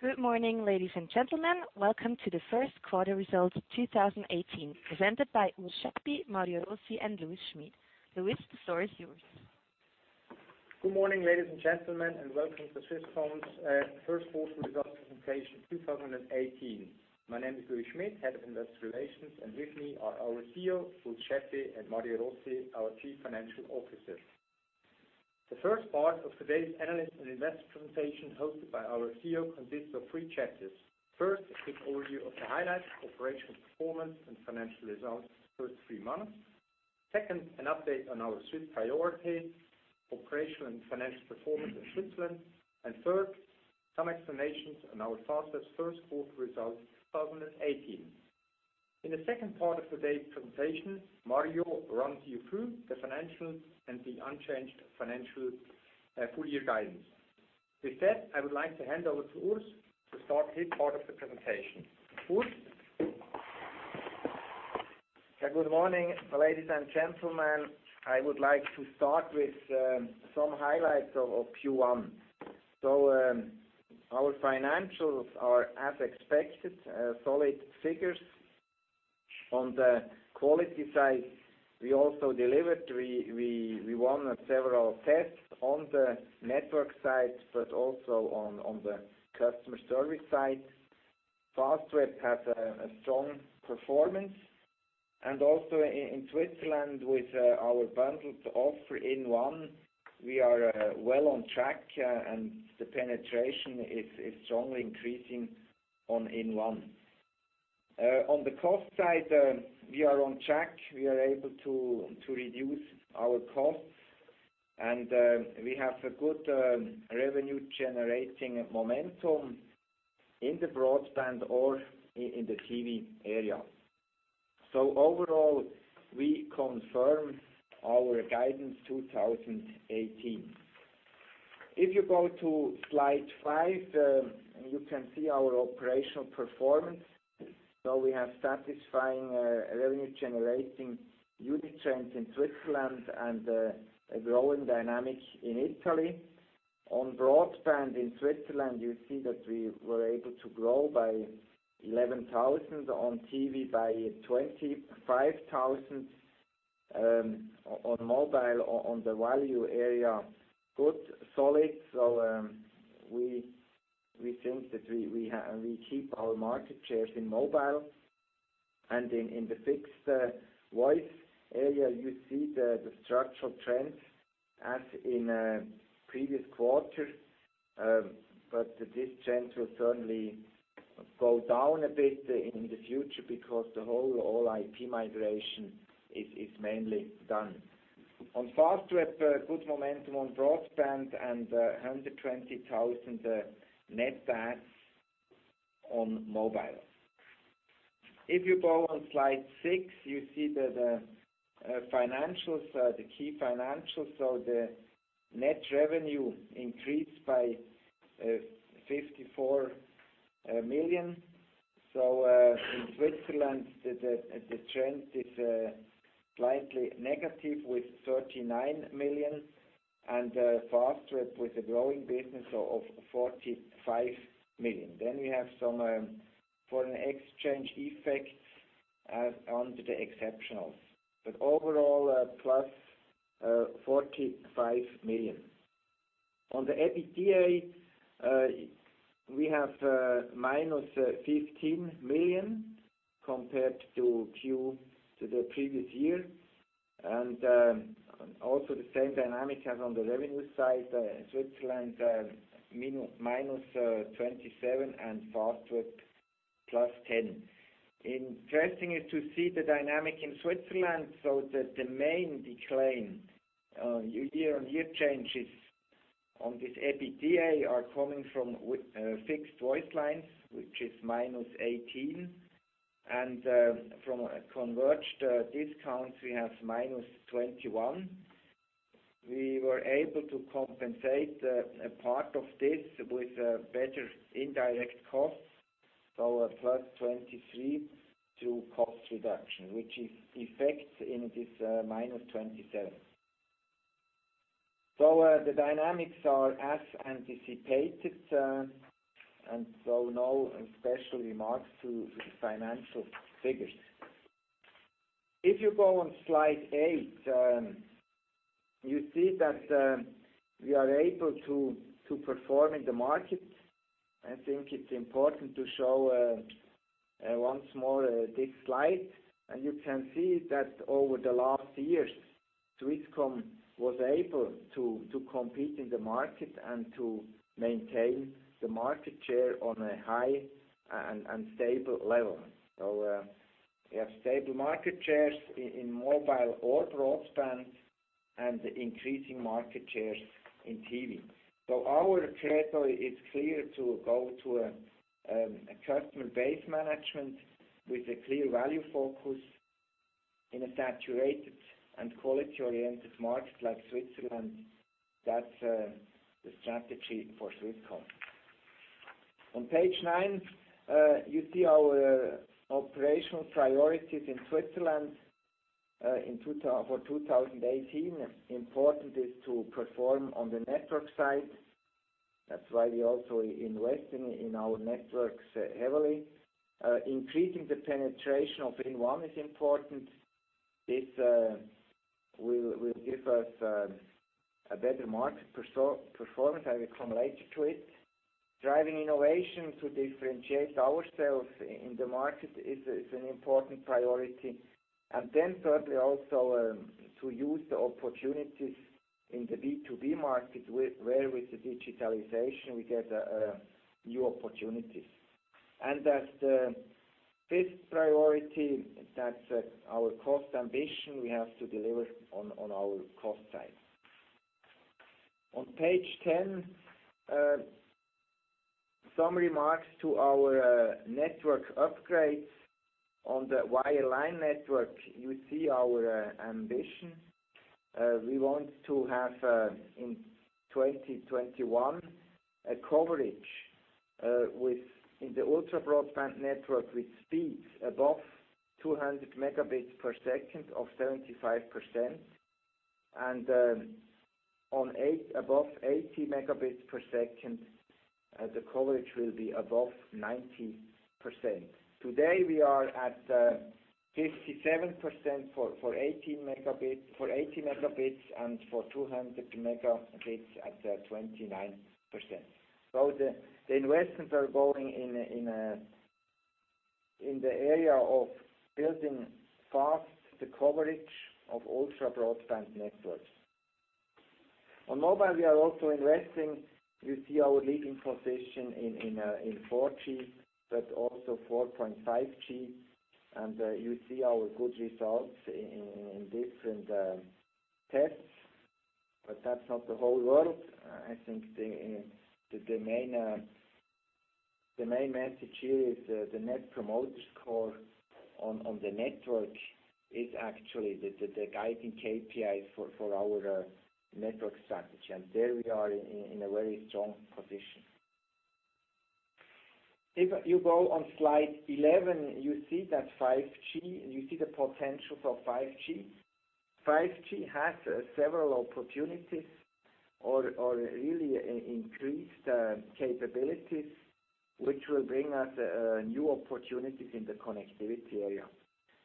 Good morning, ladies and gentlemen. Welcome to the first quarter results of 2018 presented by Urs Schaeppi, Mario Rossi and Louis Schmid. Louis, the floor is yours. Good morning, ladies and gentlemen, welcome to Swisscom's first quarter results presentation 2018. My name is Louis Schmid, Head of Investor Relations, and with me are our CEO Urs Schaeppi, and Mario Rossi, our Chief Financial Officer. The first part of today's analyst and investor presentation hosted by our CEO consists of three chapters. First, a quick overview of the highlights, operational performance, and financial results for the first three months. Second, an update on our Swiss priorities, operational and financial performance in Switzerland. Third, some explanations on our Fastweb first quarter results 2018. In the second part of today's presentation, Mario runs you through the financials and the unchanged financial full-year guidance. With that, I would like to hand over to Urs to start his part of the presentation. Urs? Good morning, ladies and gentlemen. I would like to start with some highlights of Q1. Our financials are as expected, solid figures. On the quality side, we also delivered. We won several tests on the network side, but also on the customer service side. Fastweb had a strong performance. Also, in Switzerland with our bundled offer inOne, we are well on track, and the penetration is strongly increasing on inOne. On the cost side, we are on track. We are able to reduce our costs, we have a good revenue-generating momentum in the broadband or in the TV area. Overall, we confirm our guidance 2018. If you go to slide five, you can see our operational performance. We have satisfying revenue-generating unit trends in Switzerland and a growing dynamic in Italy. On broadband in Switzerland, you see that we were able to grow by 11,000; on TV by 25,000; on mobile, on the value area, good, solid. We think that we keep our market shares in mobile. In the fixed voice area, you see the structural trends as in previous quarters. This trend will certainly go down a bit in the future because the whole IP migration is mainly done. On Fastweb, good momentum on broadband and 120,000 net adds on mobile. If you go on slide six, you see the key financials. The net revenue increased by 54 million. In Switzerland, the trend is slightly negative with 39 million, and Fastweb with a growing business of 45 million. We have some foreign exchange effects under the exceptionals. Overall, plus 45 million. On the EBITDA, we have minus 15 million compared to the previous year. Also the same dynamic as on the revenue side, Switzerland, minus 27 and Fastweb plus 10. Interesting is to see the dynamic in Switzerland. The main decline year-on-year changes on this EBITDA are coming from fixed voice lines, which is minus 18, and from converged discounts, we have minus 21. We were able to compensate a part of this with better indirect costs. Plus 23 to cost reduction, which effects in this minus 27. The dynamics are as anticipated, no special remarks to the financial figures. If you go on slide eight, you see that we are able to perform in the market. I think it's important to show this slide once more. You can see that over the last years, Swisscom was able to compete in the market and to maintain the market share on a high and stable level. We have stable market shares in mobile or broadband and increasing market shares in TV. Our trade-off is clear to go to a customer-based management with a clear value focus in a saturated and quality-oriented market like Switzerland. That's the strategy for Swisscom. On page nine, you see our operational priorities in Switzerland for 2018. Important is to perform on the network side. That's why we're also investing in our networks heavily. Increasing the penetration of inOne is important. This will give us a better market performance; I will come later to it. Driving innovation to differentiate ourselves in the market is an important priority. Thirdly, also to use the opportunities in the B2B market, where with the digitalization we get new opportunities. As the fifth priority, that's our cost ambition. We have to deliver on our cost side. On page 10, some remarks to our network upgrades. On the wireline network, you see our ambition. We want to have in 2021, a coverage in the ultra-broadband network with speeds above 200 megabits per second of 75%, and above 80 megabits per second, the coverage will be above 90%. Today, we are at 57% for 80 megabits, and for 200 megabits at 29%. The investments are going in the area of building fast the coverage of ultra-broadband networks. On mobile, we are also investing. You see our leading position in 4G, but also 4.5G, and you see our good results in different tests. That's not the whole world. I think the main message here is the Net Promoter Score on the network is actually the guiding KPI for our network strategy, and there we are in a very strong position. If you go on slide 11, you see the potentials of 5G. 5G has several opportunities or really increased capabilities, which will bring us new opportunities in the connectivity area.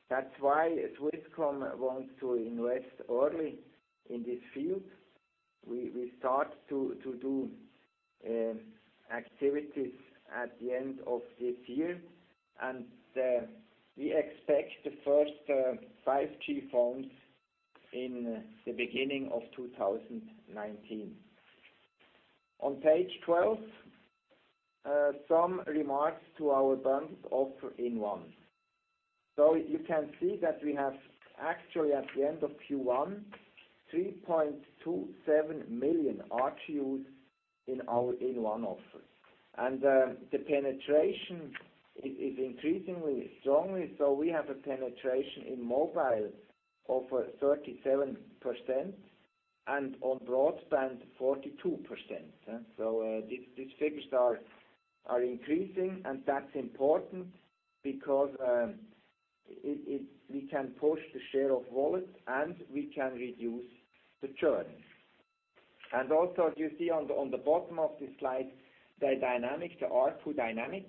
That's why Swisscom wants to invest early in this field. We start to do activities at the end of this year, and we expect the first 5G phones in the beginning of 2019. On page 12, some remarks to our bundled offer inOne. You can see that we have actually at the end of Q1, 3.27 million ARPUs in our inOne offer. The penetration is increasingly strongly. We have a penetration in mobile of 37% and on broadband, 42%. These figures are increasing. That's important because we can push the share of wallet, and we can reduce the churn. You see on the bottom of the slide, the ARPU dynamic.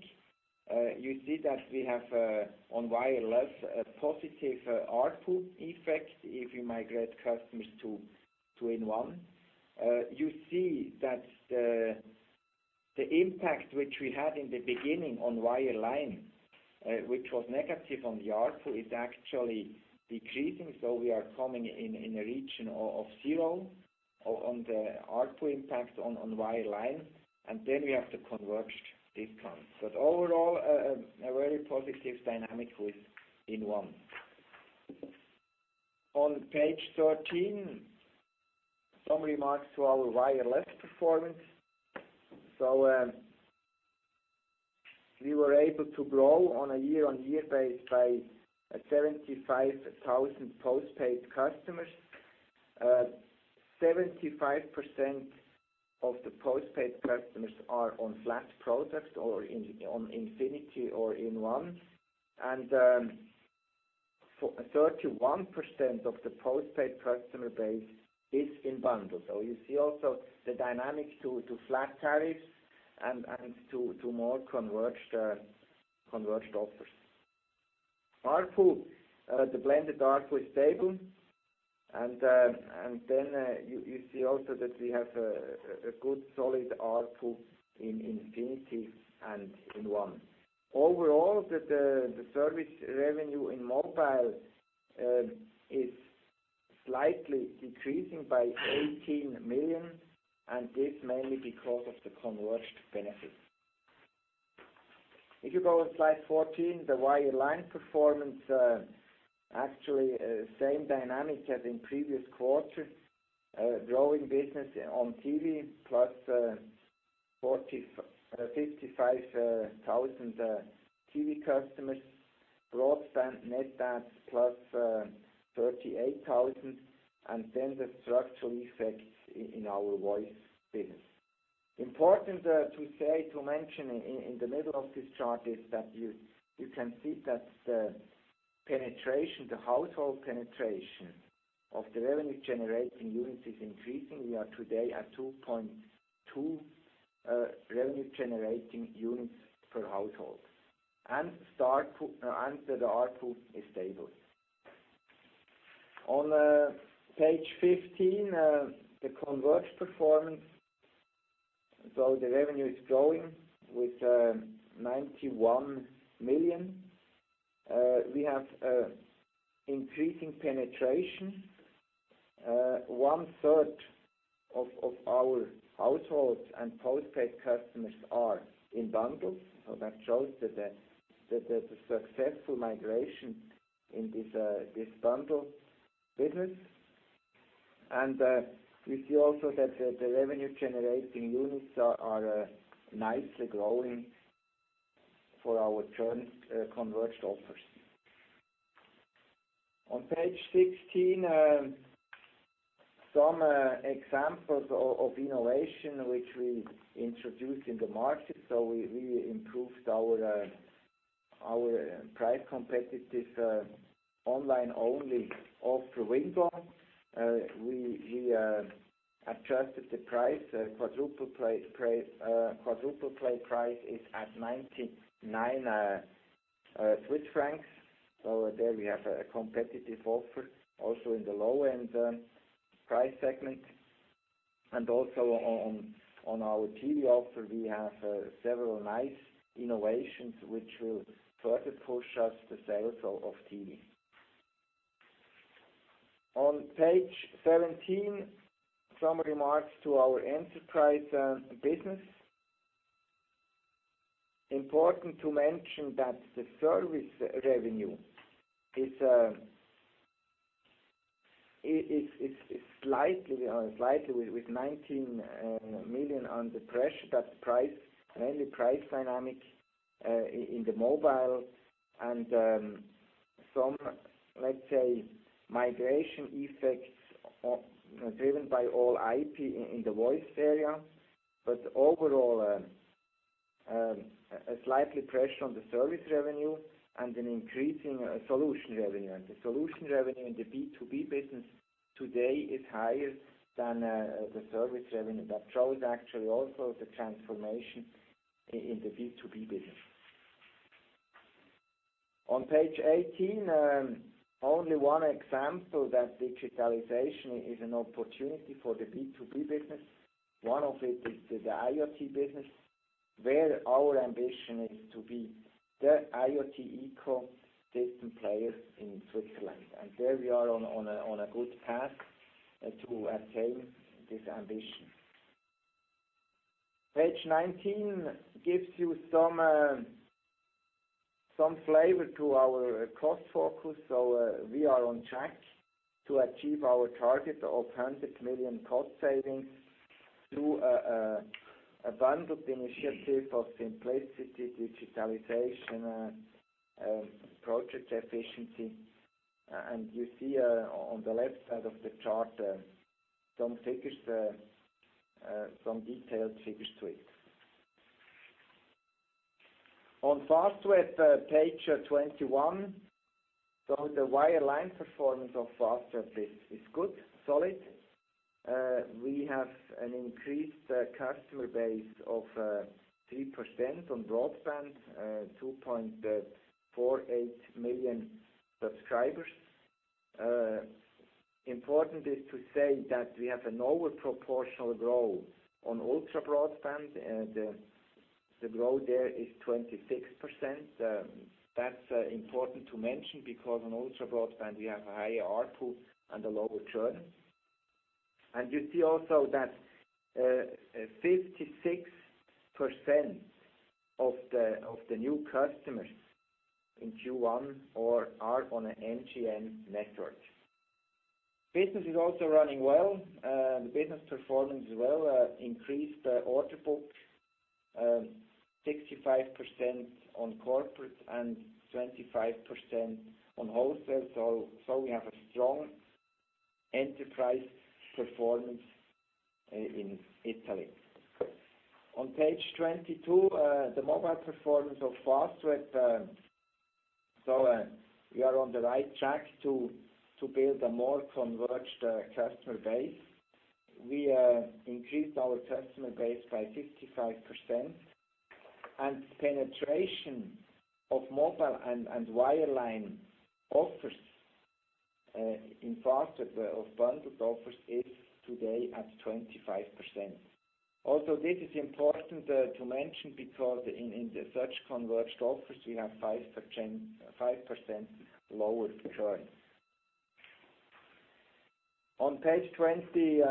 You see that we have on wireless a positive ARPU effect if you migrate customers to inOne. You see that the impact which we had in the beginning on wireline, which was negative on the ARPU, is actually decreasing. We are coming in a region of zero on the ARPU impact on wireline, and then we have the converged discount. Overall, a very positive dynamic with inOne. On page 13, some remarks to our wireless performance. We were able to grow on a year-on-year base by 75,000 postpaid customers. 75% of the postpaid customers are on flat products or on Infinity or inOne, and 31% of the postpaid customer base is in bundle. You see also the dynamic to flat tariffs and to more converged offers. ARPU. The blended ARPU is stable. You see also that we have a good solid ARPU in Infinity and inOne. Overall, the service revenue in mobile is slightly decreasing by 18 million, and this mainly because of the converged benefit. If you go on slide 14, the wireline performance, actually same dynamic as in previous quarter. Growing business on TV, plus 55,000 TV customers. Broadband net adds plus 38,000, and then the structural effects in our voice business. Important to mention in the middle of this chart is that you can see that the household penetration of the revenue-generating units is increasing. We are today at 2.2 revenue-generating units per household. The ARPU is stable. On page 15, the converged performance. The revenue is growing with 91 million. We have increasing penetration. One-third of our households and postpaid customers are in bundles. That shows the successful migration in this bundle business. We see also that the revenue-generating units are nicely growing for our churn converged offers. On page 16, some examples of innovation which we introduced in the market. We improved our price-competitive online-only offer Wingo. We adjusted the price. Quadruple play price is at 99 Swiss francs. There we have a competitive offer also in the low-end price segment. On our TV offer, we have several nice innovations which will further push us the sales of TV. On page 17, some remarks to our enterprise business. Important to mention that the service revenue is slightly with 19 million under pressure. That's mainly price dynamic in the mobile and some, let's say, migration effects driven by All IP in the voice area. Overall, a slight pressure on the service revenue and an increasing solution revenue. The solution revenue in the B2B business today is higher than the service revenue. That shows actually also the transformation in the B2B business. On page 18, only one example that digitalization is an opportunity for the B2B business. One of it is the IoT business, where our ambition is to be the IoT ecosystem player in Switzerland. There we are on a good path to attain this ambition. Page 19 gives you some flavor to our cost focus. We are on track to achieve our target of 100 million cost savings through a bundled initiative of simplicity, digitalization, project efficiency. You see on the left side of the chart some detailed figures to it. On Fastweb, page 21. The wireline performance of Fastweb is good, solid. We have an increased customer base of 3% on broadband, 2.48 million subscribers. Important is to say that we have an over-proportional growth on ultra-broadband, and the growth there is 26%. That's important to mention because on ultra-broadband we have a higher ARPU and a lower churn. You see also that 56% of the new customers in Q1 are on an NGN network. Business is also running well. The business performance is well increased. Order book 65% on corporate and 25% on wholesale. We have a strong enterprise performance in Italy. On page 22, the mobile performance of Fastweb. We are on the right track to build a more converged customer base. We increased our customer base by 55%, and penetration of mobile and wireline offers in Fastweb of bundled offers is today at 25%. Also, this is important to mention because in the such converged offers, we have 5% lower churn. On page 23,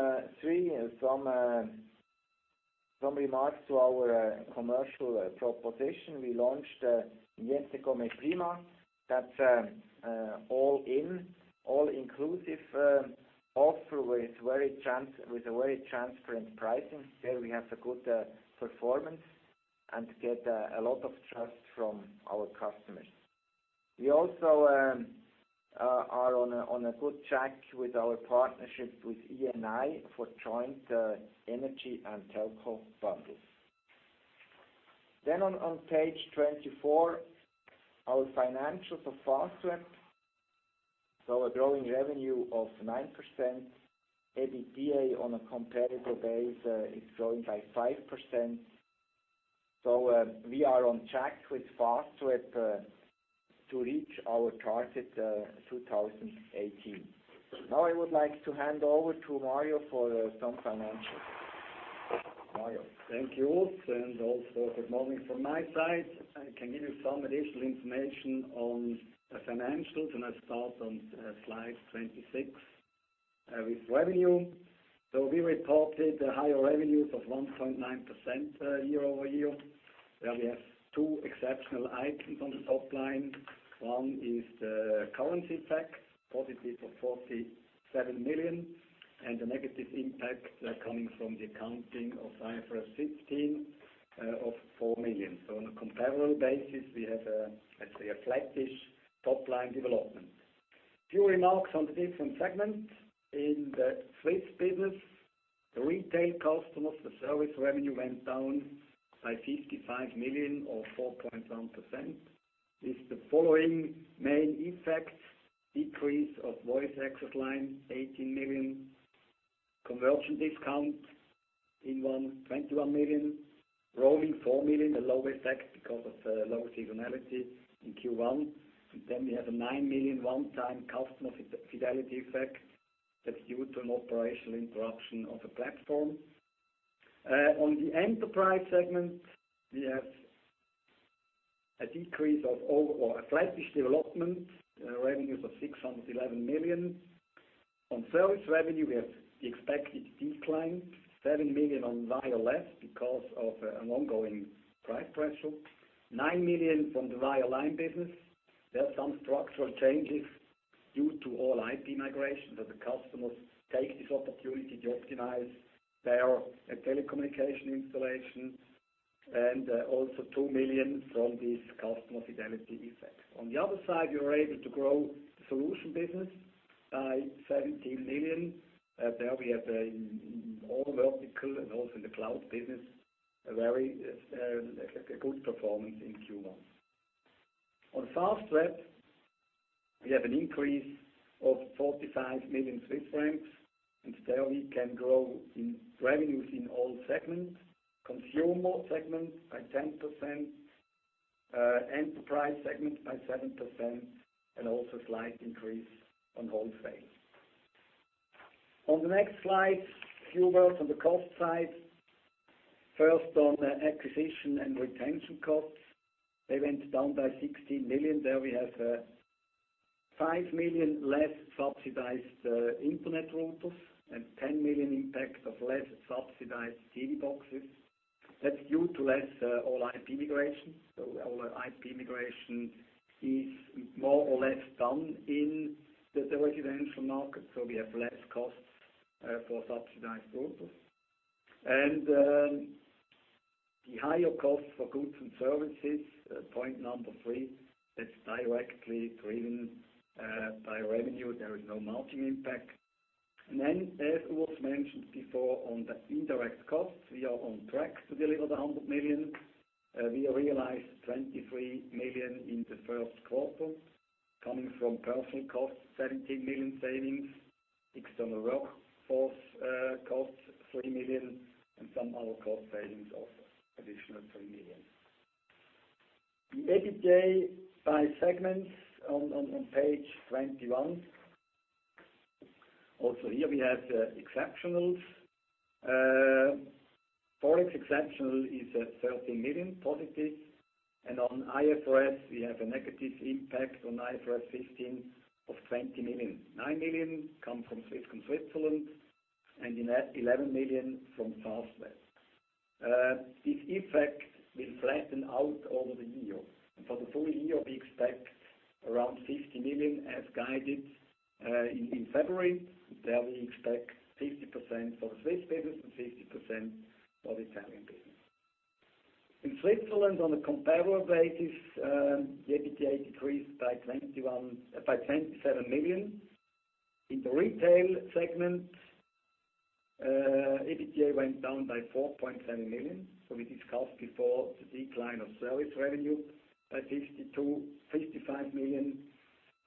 some remarks to our commercial proposition. We launched "Niente Come Prima." That's all in. All-inclusive offer with a very transparent pricing. There we have a good performance and get a lot of trust from our customers. We also are on a good track with our partnership with Eni for joint energy and telco bundles. On page 24, our financials of Fastweb. A growing revenue of 9%, EBITDA on a comparable basis is growing by 5%. We are on track with Fastweb to reach our target 2018. Now I would like to hand over to Mario for some financials. Mario. Thank you, Urs, and also good morning from my side. I can give you some additional information on the financials, I start on slide 26 with revenue. We reported higher revenues of 1.9% year-over-year. There we have two exceptional items on the top line. One is the currency effect, positive of 47 million, and the negative impact coming from the accounting of IFRS 15 of 4 million. On a comparable basis, we have, let's say, a flattish top-line development. Few remarks on the different segments. In the Swiss business, the retail customers for service revenue went down by 55 million or 4.1%. With the following main effects: decrease of voice access line 18 million, converged discount inOne 21 million, roaming 4 million, a low effect because of low seasonality in Q1. We have a 9 million one-time customer fidelity effect that is due to an operational interruption of the platform. On the enterprise segment, we have a decrease of, or a flattish development, revenues of 611 million. On service revenue, we have the expected decline, 7 million via less because of an ongoing price pressure. 9 million from the via line business. There are some structural changes due to All IP migration that the customers take this opportunity to optimize their telecommunication installation, and also 2 million from this customer fidelity effect. On the other side, we were able to grow the solution business by 17 million. There we have in all vertical and also in the cloud business, a very good performance in Q1. On Fastweb, we have an increase of 45 million Swiss francs, and there we can grow in revenues in all segments. Consumer segment by 10%, enterprise segment by 7%, and also slight increase on wholesale. The next slide, a few words on the cost side. First on acquisition and retention costs. They went down by 16 million. We have 5 million less subsidized internet routers and 10 million impact of less subsidized TV boxes. That is due to less All IP migration. All IP migration is more or less done in the residential market, so we have less costs for subsidized routers. The higher cost for goods and services, point number 3, is directly driven by revenue. There is no margin impact. As was mentioned before on the indirect costs, we are on track to deliver the 100 million. We realized 23 million in the first quarter, coming from personal costs, 17 million savings, external workforce costs 3 million, and some other cost savings of additional 3 million. The EBITDA by segments on page 21. Also here we have exceptionals. Forex exceptional is at 13 million positive. On IFRS, we have a negative impact on IFRS 15 of 20 million. 9 million come from Swisscom Switzerland, and 11 million from Fastweb. This effect will flatten out over the year. For the full year, we expect around 50 million as guided in February. We expect 50% for the Swiss business and 50% for the Italian business. In Switzerland, on a comparable basis, the EBITDA decreased by 27 million. In the retail segment, EBITDA went down by 4.7 million. We discussed before the decline of service revenue by 55 million,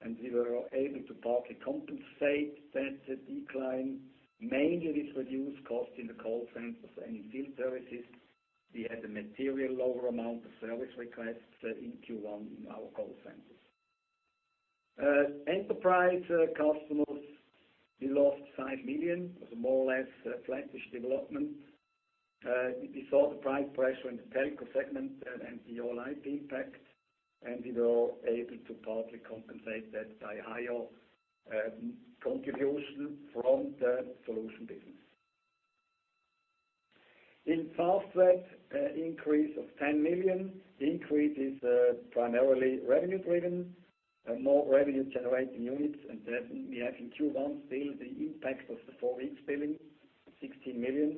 and we were able to partly compensate that decline. Mainly with reduced cost in the call centers and in field services. We had a material lower amount of service requests in Q1 in our call centers. Enterprise customers, we lost 5 million. It was more or less a flattish development. We saw the price pressure in the telco segment and the All IP impact, and we were able to partly compensate that by higher contribution from the solution business. In Fastweb, increase of 10 million. The increase is primarily revenue-driven, more revenue-generating units. We have in Q1 still the impact of the four weeks billing, 16 million.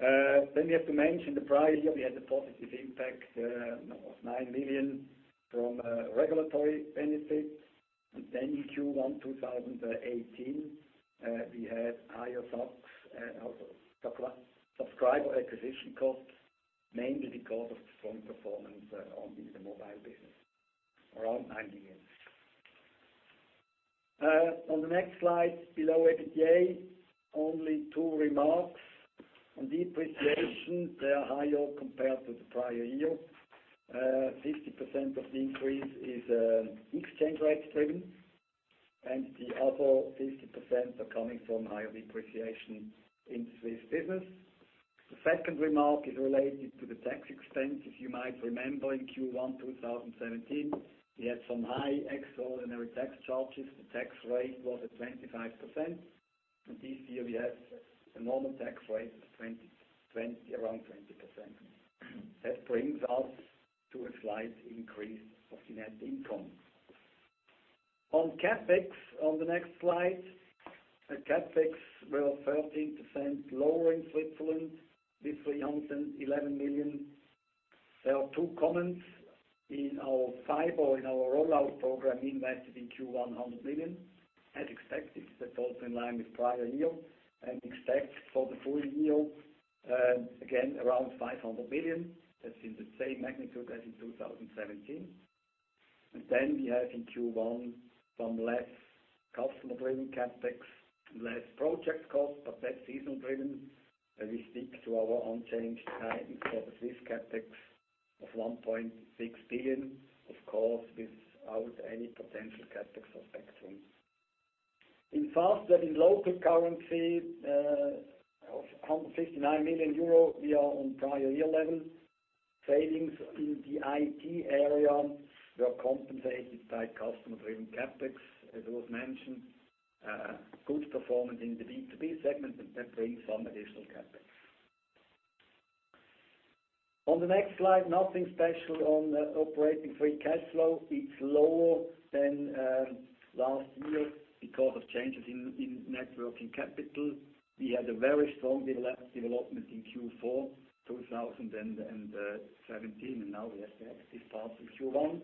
We have to mention the prior year, we had a positive impact of 9 million from regulatory benefits. In Q1 2018, we had higher subscriber acquisition costs, mainly because of the strong performance in the mobile business, around 9 million. On the next slide below EBITDA, only two remarks. On depreciation, they are higher compared to the prior year. 60% of the increase is exchange rate-driven, and the other 50% are coming from higher depreciation in Swiss business. The second remark is related to the tax expense. If you might remember, in Q1 2017, we had some high extraordinary tax charges. The tax rate was at 25%. This year we have a normal tax rate of around 20%. That brings us to a slight increase of the net income. On CapEx, on the next slide. The CapEx were 13% lower in Switzerland, with 311 million. There are two comments. In our fiber, in our rollout program, we invested in Q1, 100 million. As expected, that's also in line with prior year. Expect for the full year, again, around 500 million. That's in the same magnitude as in 2017. We have in Q1 some less customer-driven CapEx, less project cost, but that's seasonal-driven. We stick to our unchanged timing for the Swiss CapEx of 1.6 billion, of course, without any potential CapEx of spectrum. In Fastweb, in local currency of 159 million euro, we are on prior year level. Savings in the IT area were compensated by customer-driven CapEx. As Urs mentioned, good performance in the B2B segment, and that brings some additional CapEx. On the next slide, nothing special on operating free cash flow. It's lower than last year because of changes in networking capital. We had a very strong development in Q4 2017, and now we have to have this part in Q1,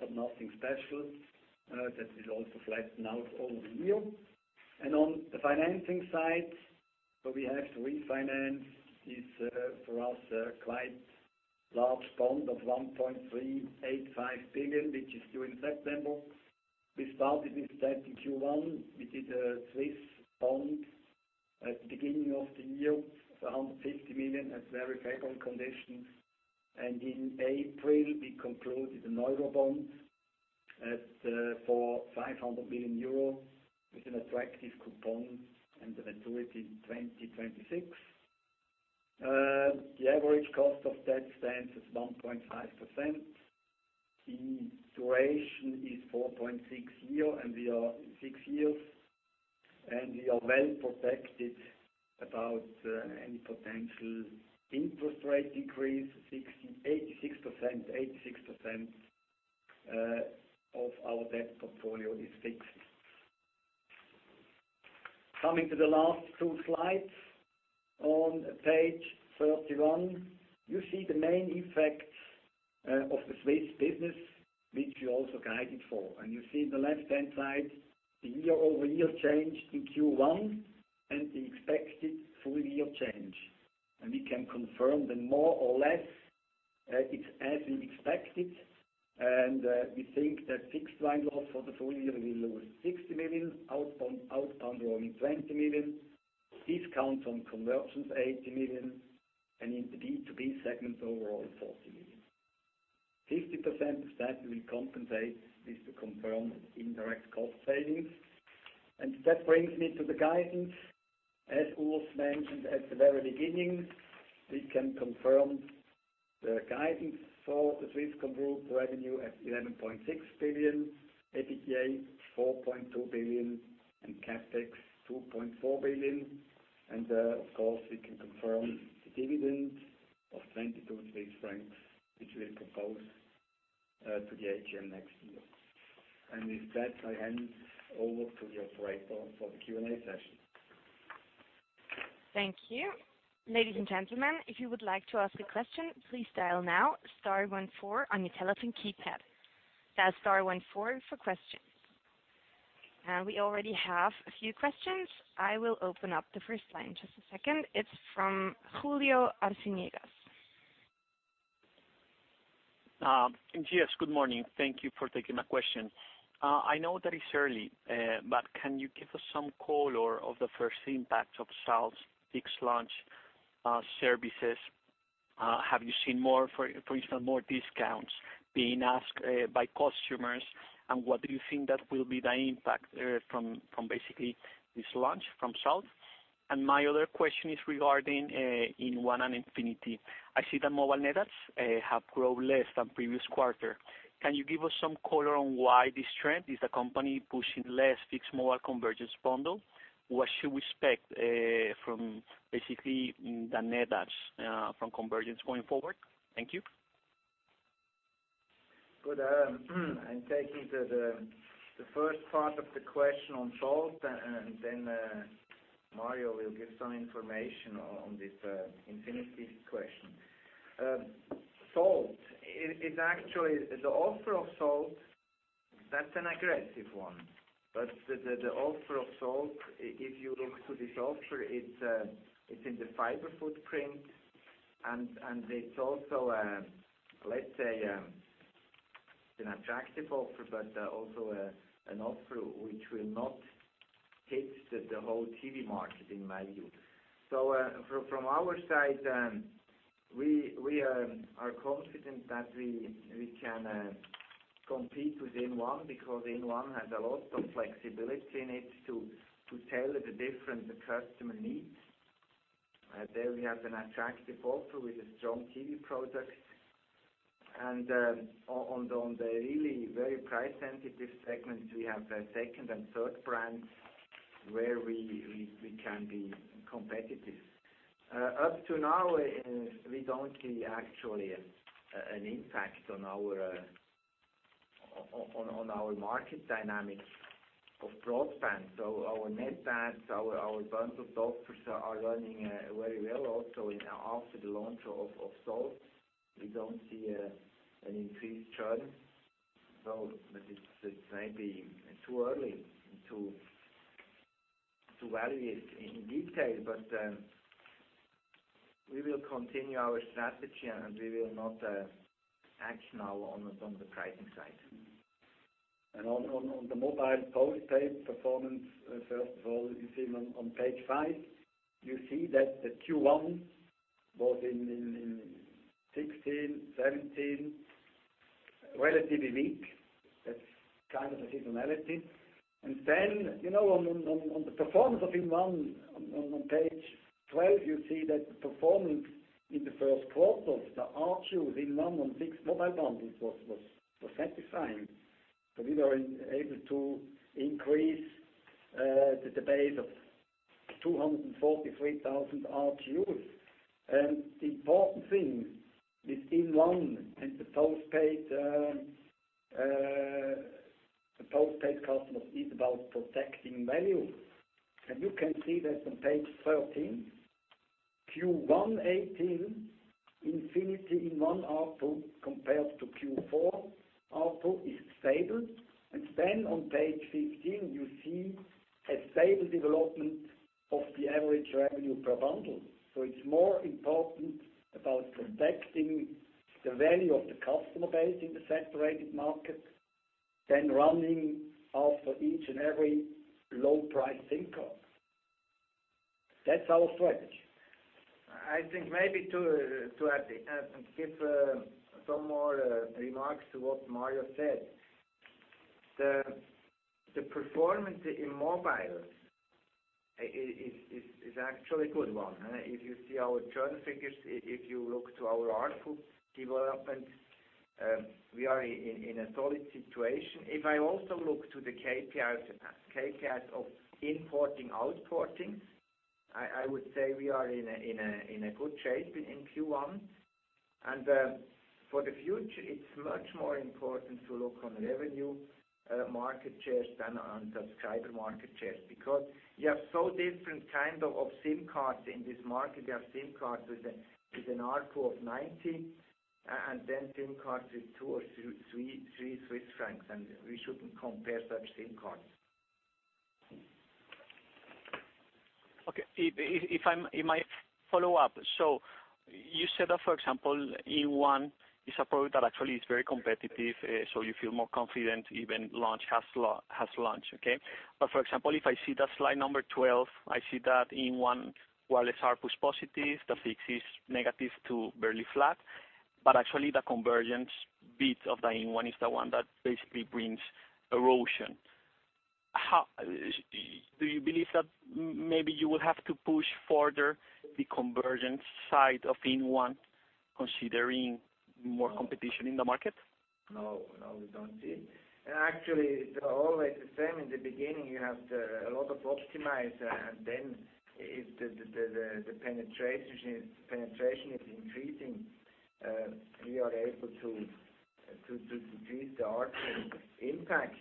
but nothing special. That will also flatten out over the year. On the financing side, where we have to refinance this, for us, quite large bond of 1.385 billion, which is due in September. We started with that in Q1. We did a Swiss bond at the beginning of the year of 150 million at very favorable conditions. In April, we concluded an Euro bond for 500 million euro with an attractive coupon and a maturity in 2026. The average cost of debt stands at 1.5%. The duration is 4.6 years. We are well-protected about any potential interest rate increase. 86% of our debt portfolio is fixed. Coming to the last two slides. On page 31, you see the main effects of the Swiss business, which we also guided for. You see the left-hand side, the year-over-year change in Q1 and the expected full-year change. We can confirm that more or less it's as we expected. We think that fixed line loss for the full year will be lower 60 million, outbound roaming 20 million, discount on conversions 80 million, and in the B2B segment overall 40 million. 50% of that we compensate with the confirmed indirect cost savings. That brings me to the guidance. As Urs mentioned at the very beginning, we can confirm the guidance for the Swisscom group revenue at 11.6 billion, EBITDA 4.2 billion, and CapEx 2.4 billion. Of course, we can confirm the dividend of 22.6 Swiss francs, which we'll propose to the AGM next year. With that, I hand over to the operator for the Q&A session. Thank you. Ladies and gentlemen, if you would like to ask a question, please dial now star 14 on your telephone keypad. Dial star 14 for questions. We already have a few questions. I will open up the first line. Just a second. It's from Julio Arciniegas. Yes, good morning. Thank you for taking my question. I know that it's early, but can you give us some color of the first impact of Salt's fixed-line services? Have you seen, for instance, more discounts being asked by customers? What do you think that will be the impact there from basically this launch from Salt? My other question is regarding inOne and Infinity. I see the mobile net adds have grown less than previous quarter. Can you give us some color on why this trend? Is the company pushing less fixed mobile convergence bundle? What should we expect from basically the net adds from convergence going forward? Thank you. Good. I'm taking the first part of the question on Salt, Mario will give some information on this Infinity question. Salt. The offer of Salt, that's an aggressive one. The offer of Salt, if you look to this offer, it's in the fiber footprint, it's also, let's say, an attractive offer, but also an offer which will not hit the whole TV market in value. From our side, we are confident that we can compete with inOne because inOne has a lot of flexibility in it to tailor the different customer needs. There we have an attractive offer with a strong TV product. On the really very price-sensitive segments, we have the second and third brands where we can be competitive. Up to now, we don't see actually an impact on our market dynamics of broadband. Our NetAdd, our bundle offers are running very well. Also after the launch of Salt, we don't see an increased churn. It may be too early to value it in detail, we will continue our strategy, we will not action now on the pricing side. On the mobile postpaid performance, first of all, you see on page five, you see that the Q1, both in 2016, 2017, relatively weak. That's kind of a seasonality. On the performance of inOne on page 12, you see that the performance in the first quarter, the RGUs inOne on six mobile bundles was satisfying. We were able to increase the base of 243,000 RGUs. The important thing with inOne and the postpaid customers is about protecting value. You can see that on page 13. Q1 2018 Infinity inOne ARPU compared to Q4 ARPU is stable. On page 15, you see a stable development of the average revenue per bundle. It's more important about protecting the value of the customer base in the separated market than running after each and every low-priced SIM card. That's our strategy. I think maybe to give some more remarks to what Mario said. The performance in mobile is actually a good one. If you see our churn figures, if you look to our ARPU development, we are in a solid situation. If I also look to the KPIs of net porting, I would say we are in a good shape in Q1. For the future, it's much more important to look on revenue market shares than on subscriber market shares. You have so different kind of SIM cards in this market. You have SIM cards with an ARPU of 90, and then SIM cards with two or three Swiss francs, and we shouldn't compare such SIM cards. Okay. If I might follow up. You said that, for example, inOne is a product that actually is very competitive, you feel more confident even has launched, okay? For example, if I see the slide number 12, I see that inOne wireless ARPU is positive, the fixed is negative to barely flat. Actually, the convergence bit of the inOne is the one that basically brings erosion. Do you believe that maybe you will have to push further the convergence side of inOne, considering more competition in the market? No, we don't see. Actually, it's always the same. In the beginning, you have a lot of optimize, and then if the penetration is increasing, we are able to decrease the ARPU impact.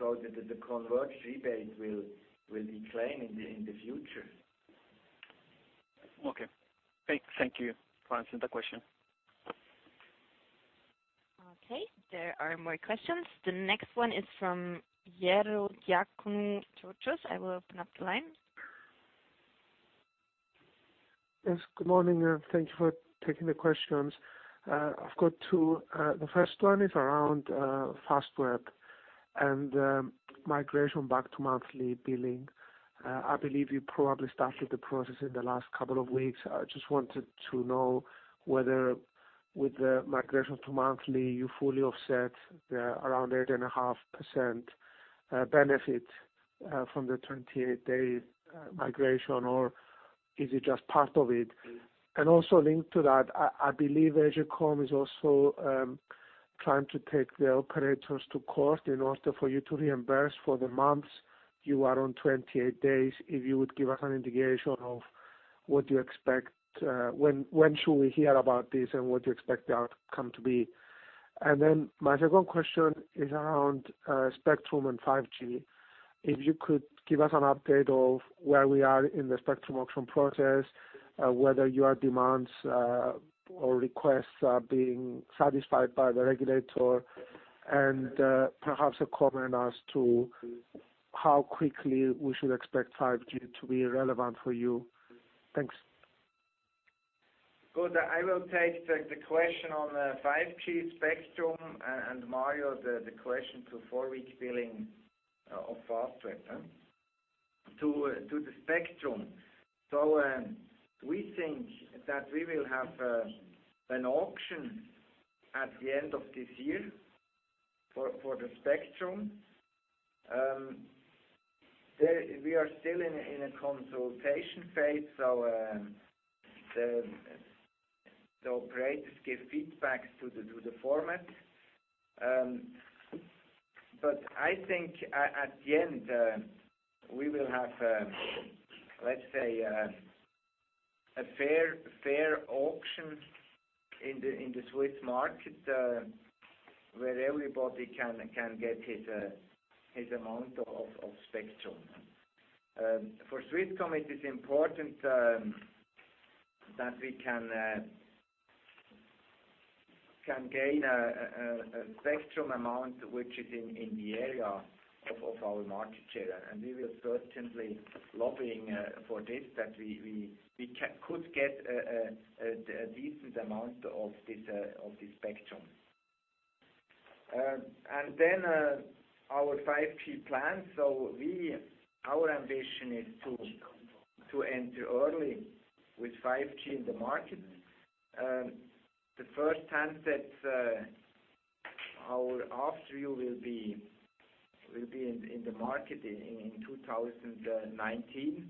The converged discount will decline in the future. Okay. Thank you for answering the question. Okay, there are more questions. The next one is from Georgios Ierodiakonou. I will open up the line. Yes, good morning. Thank you for taking the questions. I have got two. The first one is around Fastweb and migration back to monthly billing. I believe you probably started the process in the last couple of weeks. I just wanted to know whether with the migration to monthly, you fully offset the around 8.5% benefit from the 28-day migration, or is it just part of it? Also linked to that, I believe AGCOM is also trying to take the operators to court in order for you to reimburse for the months you are on 28 days. If you would give us an indication of when should we hear about this and what you expect the outcome to be. My second question is around spectrum and 5G. If you could give us an update of where we are in the spectrum auction process, whether your demands or requests are being satisfied by the regulator, and perhaps a comment as to how quickly we should expect 5G to be relevant for you. Thanks. Good. I will take the question on 5G spectrum, and Mario, the question to four-week billing of Fastweb. To the spectrum. We think that we will have an auction at the end of this year for the spectrum. We are still in a consultation phase. The operators give feedbacks to the format. I think at the end, we will have, let's say, a fair auction in the Swiss market where everybody can get his amount of spectrum. For Swisscom, it is important that we can gain a spectrum amount which is in the area of our market share. We will certainly lobbying for this, that we could get a decent amount of this spectrum. Our 5G plan. Our ambition is to enter early with 5G in the market. The first handsets are out for you will be in the market in 2019.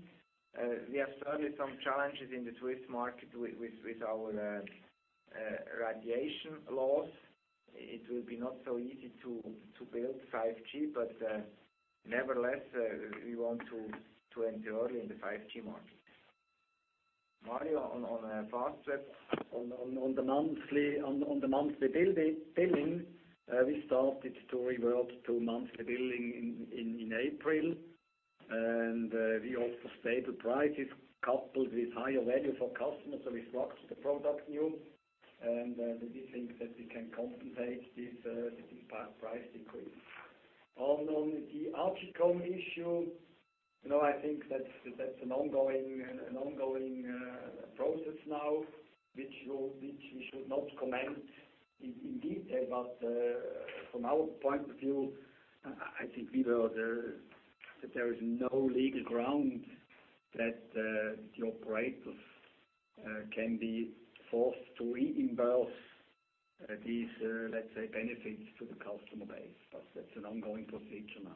We have certainly some challenges in the Swiss market with our radiation laws. It will be not so easy to build 5G. Nevertheless, we want to enter early in the 5G market. Mario, on Fastweb, on the monthly billing, we started to revert to monthly billing in April. We offer stable prices coupled with higher value for customers, so we structured the product new. We think that we can compensate this price decrease. On the AGCOM issue, I think that's an ongoing process now, which we should not comment in detail. From our point of view, I think that there is no legal ground that the operators can be forced to reimburse these, let's say, benefits to the customer base. That's an ongoing procedure now.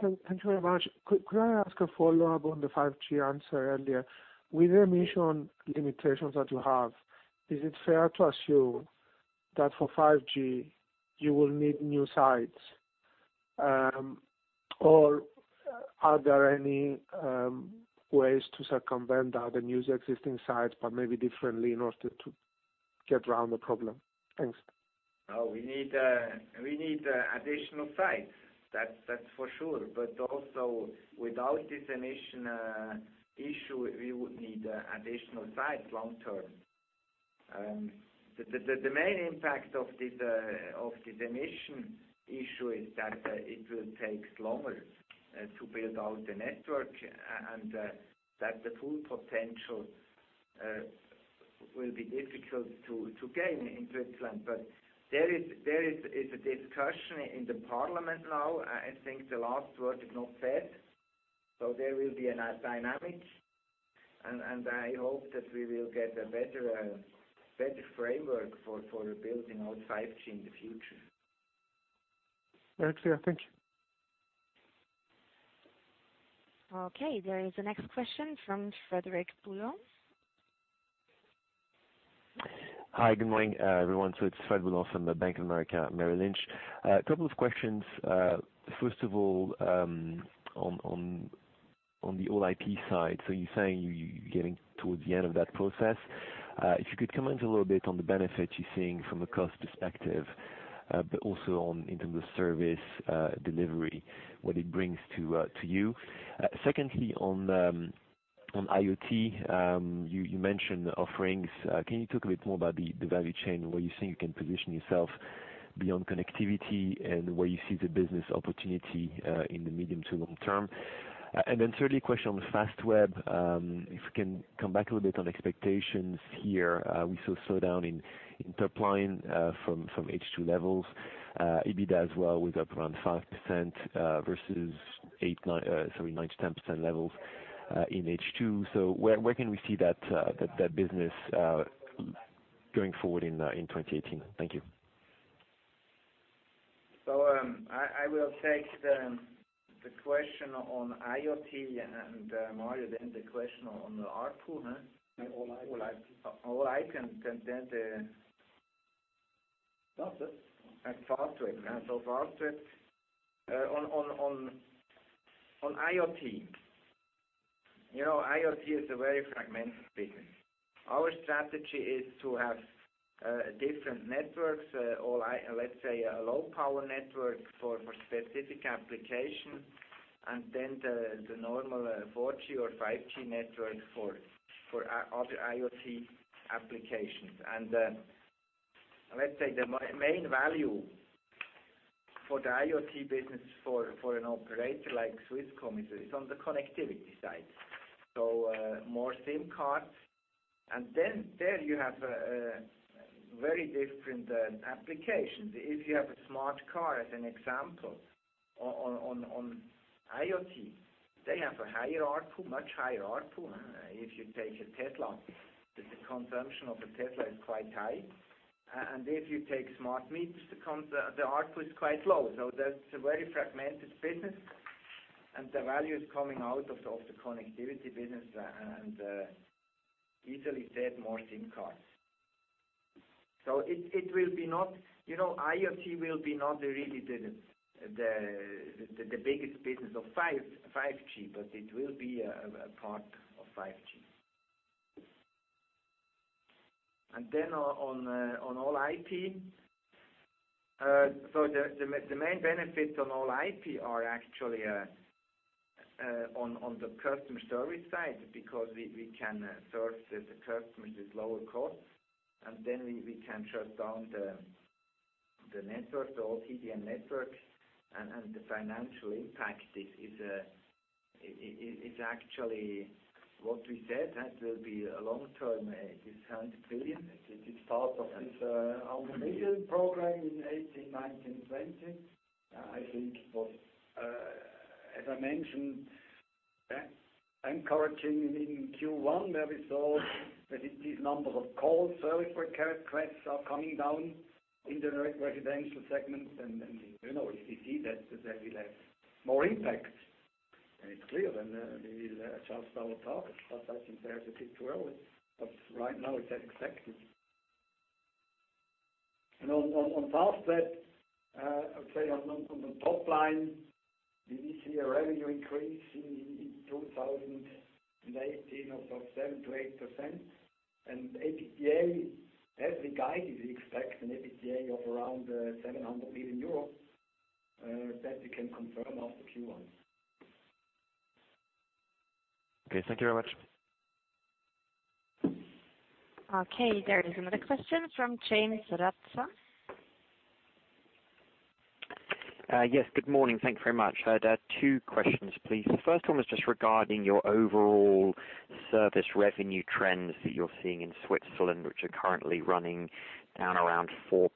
Thank you very much. Could I ask a follow-up on the 5G answer earlier? With the emission limitations that you have, is it fair to assume that for 5G you will need new sites? Are there any ways to circumvent that and use existing sites, but maybe differently in order to get around the problem? Thanks. We need additional sites. That's for sure. Also, without this emission issue, we would need additional sites long-term. The main impact of this emission issue is that it will take longer to build out the network and that the full potential will be difficult to gain in Switzerland. There is a discussion in the parliament now. I think the last word is not said. There will be a dynamic, and I hope that we will get a better framework for building out 5G in the future. Very clear. Thank you. There is the next question from Frederic Boulan. Hi. Good morning, everyone. It's Frederic Boulan from the Bank of America, Merrill Lynch. A couple of questions. First of all, on the All IP side. You're saying you're getting towards the end of that process. If you could comment a little bit on the benefit you're seeing from a cost perspective, but also in terms of service delivery, what it brings to you. Secondly, on IoT, you mentioned offerings. Can you talk a bit more about the value chain and where you think you can position yourself beyond connectivity, and where you see the business opportunity in the medium to long-term? Thirdly, a question on Fastweb. If you can come back a little bit on expectations here. We saw a slowdown in top line from H2 levels. EBITDA as well was up around 5% versus 9%-10% levels in H2. Where can we see that business going forward in 2018? Thank you. I will take the question on IoT and Mario, then the question on the ARPU. On All-IP. Fastweb. On IoT. IoT is a very fragmented business. Our strategy is to have different networks, let's say, a Low Power Network for specific application and then the normal 4G or 5G network for other IoT applications. Let's say the main value for the IoT business for an operator like Swisscom is on the connectivity side. More SIM cards. Then there you have very different applications. If you have a smart car as an example on IoT, they have a higher ARPU, much higher ARPU. If you take a Tesla, the consumption of a Tesla is quite high. If you take smart meters, the ARPU is quite low. That's a very fragmented business and the value is coming out of the connectivity business and easily said more SIM cards. IoT will be not really the biggest business of 5G, but it will be a part of 5G. Then on All-IP. The main benefits on All-IP are actually on the customer service side because we can serve the customers with lower costs and then we can shut down the network, the OTN network, and the financial impact is actually what we said. That will be a long-term, is CHF 700 million. It is part of this automation program in 2018, 2019, 2020. I think it was, as I mentioned, encouraging in Q1 where we saw that these numbers of call service requests are coming down in the residential segment. You see that there will have more impact. It's clear then we need to adjust our target. I think there is a bit too early. Right now it's as expected. On Fastweb, I would say on the top line, we see a revenue increase in 2018 of 7%-8%. EBITDA, as we guided, we expect an EBITDA of around 700 million euros. That we can confirm after Q1. Okay. Thank you very much. Okay, there is another question from James Seratzky. Yes, good morning. Thank you very much. I have two questions, please. The first one was just regarding your overall service revenue trends that you're seeing in Switzerland, which are currently running down around 4%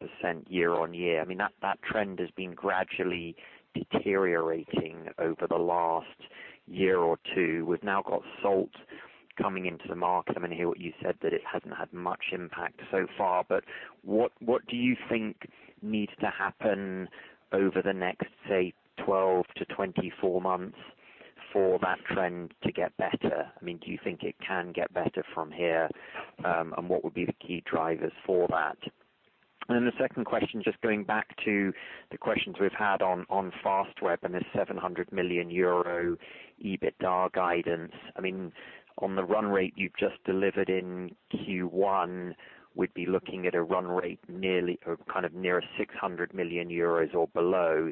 year-over-year. I mean, that trend has been gradually deteriorating over the last year or two. We've now got Salt coming into the market. I mean, I hear what you said that it hasn't had much impact so far, but what do you think needs to happen over the next, say, 12-24 months for that trend to get better? I mean, do you think it can get better from here? What would be the key drivers for that? The second question, just going back to the questions we've had on Fastweb and this 700 million euro EBITDA guidance. I mean, on the run rate you've just delivered in Q1, we'd be looking at a run rate near 600 million euros or below.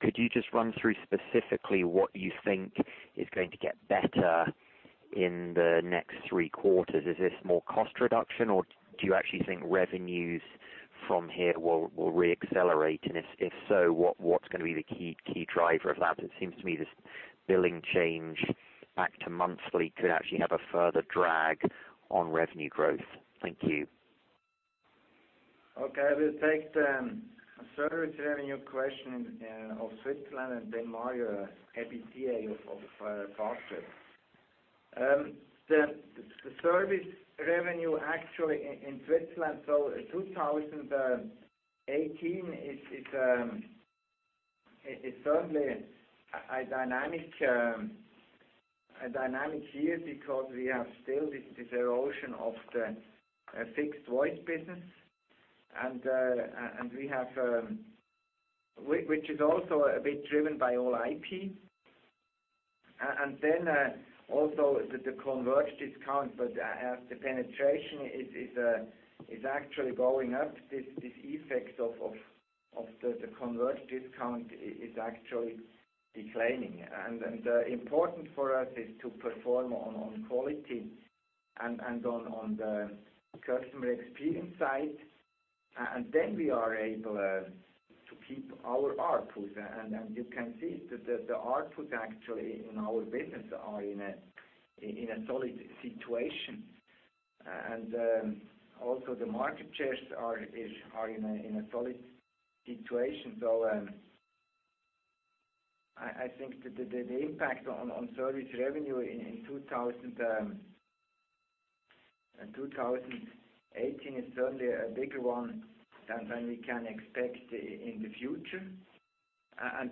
Could you just run through specifically what you think is going to get better in the next three quarters? Is this more cost reduction, or do you actually think revenues from here will re-accelerate? If so, what's going to be the key driver of that? It seems to me this billing change back to monthly could actually have a further drag on revenue growth. Thank you. Okay. I will take the service revenue question of Switzerland and then Mario, EBITDA of Fastweb. The service revenue actually in Switzerland, so 2018 is certainly a dynamic year because we have still this erosion of the fixed voice business. Which is also a bit driven by All IP. Also the converged discount, but as the penetration is actually going up, this effect of the converged discount is actually declining. Important for us is to perform on quality and on the customer experience side. We are able to keep our ARPU. You can see that the ARPU actually in our business are in a solid situation. Also the market shares are in a solid situation. I think the impact on service revenue in 2018 is certainly a bigger one than we can expect in the future.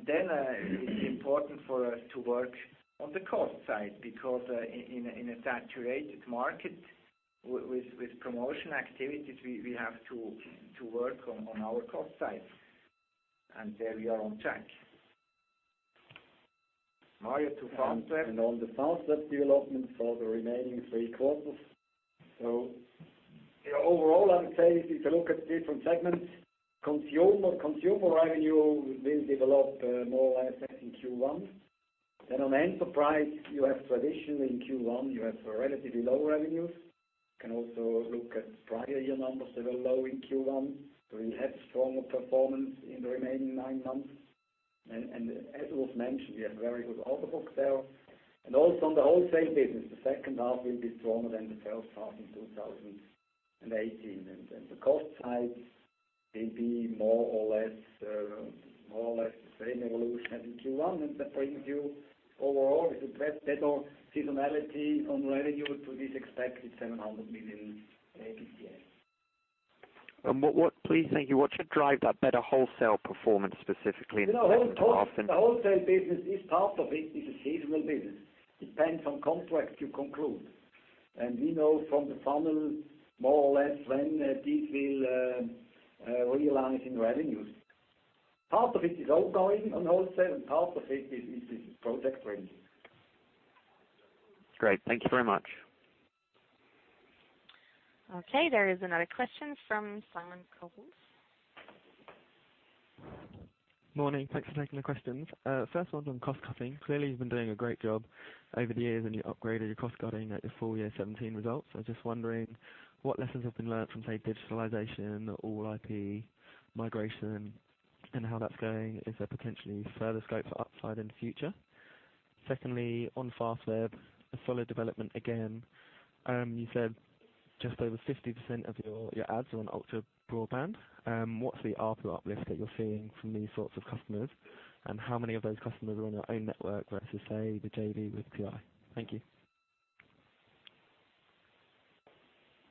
Then it's important for us to work on the cost side, because in a saturated market with promotion activities, we have to work on our cost side. There we are on track. Mario, to Fastweb. On the Fastweb development for the remaining three quarters. Overall, I would say, if you look at different segments, consumer revenue will develop more or less as in Q1. On the enterprise, you have traditionally in Q1, you have relatively low revenues. You can also look at prior year numbers that were low in Q1. You have stronger performance in the remaining nine months. As was mentioned, we have very good order books there. Also on the wholesale business, the second half will be stronger than the first half in 2018. The cost side will be more or less the same evolution as in Q1. That brings you overall with a better seasonality on revenue to this expected CHF 700 million EBITDA. Please, thank you. What should drive that better wholesale performance specifically in the second half. The wholesale business is, part of it is a seasonal business. Depends on contracts you conclude. We know from the funnel more or less when this will realize in revenues. Part of it is ongoing on wholesale and part of it is project-related. Great. Thank you very much. There is another question from Simon Coles. Morning. Thanks for taking the questions. First one on cost-cutting. Clearly, you've been doing a great job over the years and you upgraded your cost-cutting at your full year 2017 results. I was just wondering what lessons have been learnt from, say, digitalization, All-IP migration, and how that's going? Is there potentially further scope for upside in the future? Secondly, on Fastweb, a solid development again. You said just over 50% of your adds are on ultra-broadband. What's the ARPU uplift that you're seeing from these sorts of customers? How many of those customers are on your own network versus, say, the JV with PI? Thank you.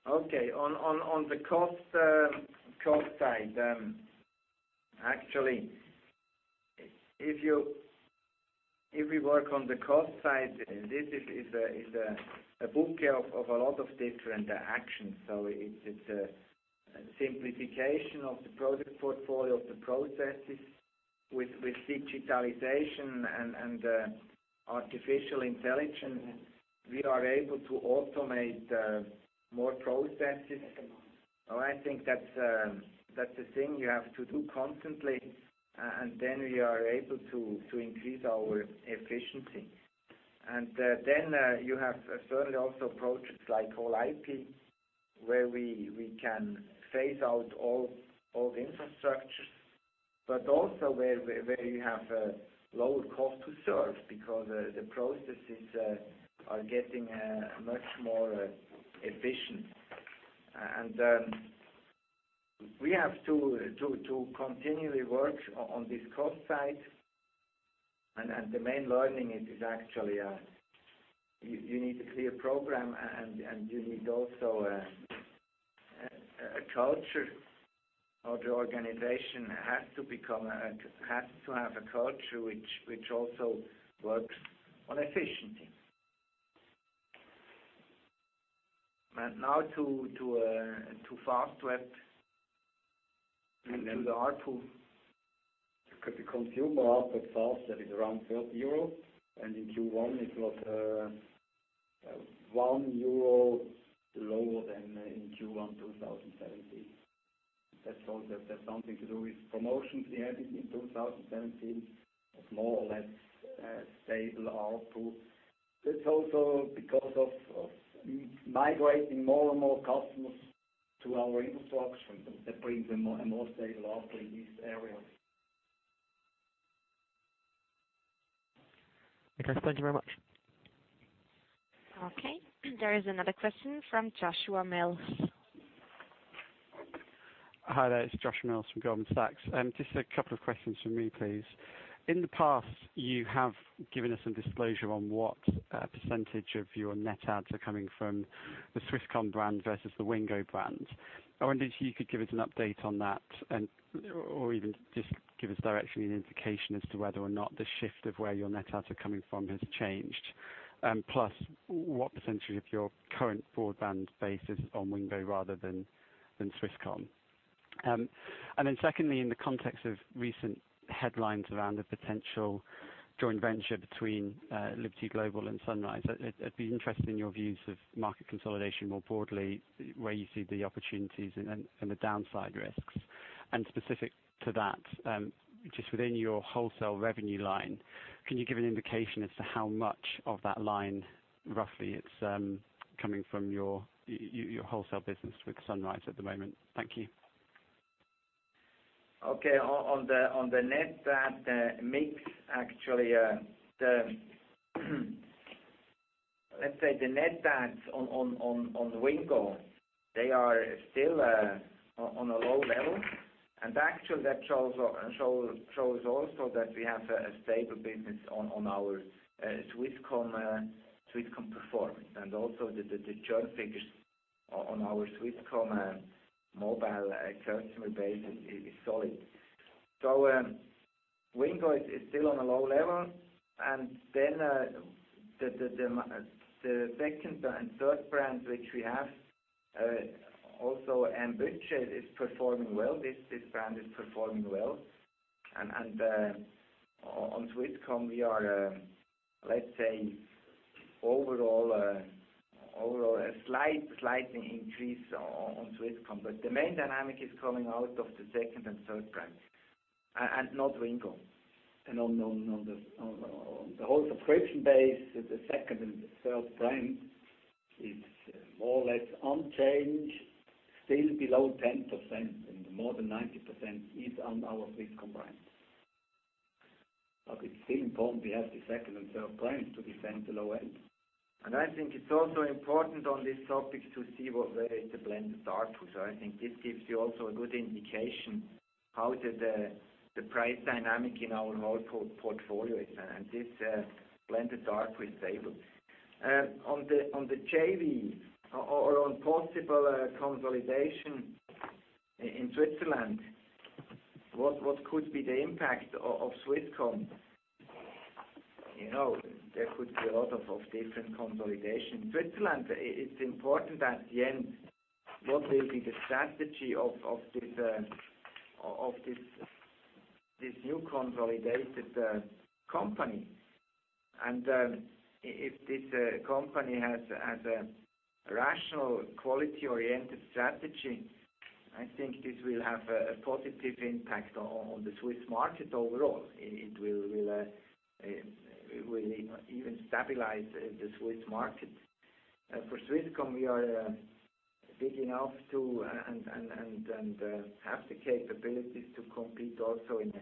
On the cost side. Actually, if we work on the cost side, this is a bouquet of a lot of different actions. It's a simplification of the product portfolio, of the processes. With digitalization and artificial intelligence, we are able to automate more processes. I think that's a thing you have to do constantly, we are able to increase our efficiency. You have certainly also projects like All-IP, where we can phase out old infrastructure, but also where you have a lower cost to serve because the processes are getting much more efficient. We have to continually work on this cost side. The main learning is actually you need a clear program and you need also a culture of the organization. It has to have a culture which also works on efficiency. Now to Fastweb and to the ARPU. The consumer ARPU of Fastweb is around 30 euro, and in Q1 it was 1 euro lower than in Q1 2017. That's something to do with promotions we had in 2017. It's more or less stable ARPU. That's also because of migrating more and more customers to our infrastructure. That brings a more stable ARPU in these areas. Okay. Thank you very much. Okay. There is another question from Joshua Mills. Hi there. It's Josh Mills from Goldman Sachs. Just a couple of questions from me, please. In the past, you have given us some disclosure on what % of your net adds are coming from the Swisscom brand versus the Wingo brand. I wondered if you could give us an update on that, or even just give us directionally an indication as to whether or not the shift of where your net adds are coming from has changed. Plus, what % of your current broadband base is on Wingo rather than Swisscom? Then secondly, in the context of recent headlines around the potential joint venture between Liberty Global and Sunrise, I'd be interested in your views of market consolidation more broadly, where you see the opportunities and the downside risks. Specific to that, just within your wholesale revenue line, can you give an indication as to how much of that line roughly is coming from your wholesale business with Sunrise at the moment? Thank you. Okay. On the net add mix, actually, let's say the net adds on Wingo, they are still on a low level. Actually, that shows also that we have a stable business on our Swisscom performance. Also, the churn figures on our Swisscom mobile customer base is solid. Wingo is still on a low level. The second and third brands which we have, also M-Budget is performing well. This brand is performing well. On Swisscom, we are, let's say, overall a slight increase on Swisscom, but the main dynamic is coming out of the second and third brands, and not Wingo. On the whole subscription base, the second and the third brand is more or less unchanged, still below 10%, and more than 90% is on our Swisscom brand. It's still important we have the second and third brands to defend the low end. I think it's also important on this topic to see what the blended ARPU. I think this gives you also a good indication how the price dynamic in our whole portfolio is. This blended ARPU is stable. On the JV or on possible consolidation in Switzerland, what could be the impact of Swisscom? There could be a lot of different consolidation. Switzerland, it's important at the end what will be the strategy of this new consolidated company. If this company has a rational, quality-oriented strategy, I think this will have a positive impact on the Swiss market overall. It will even stabilize the Swiss market. For Swisscom, we are big enough to and have the capabilities to compete also in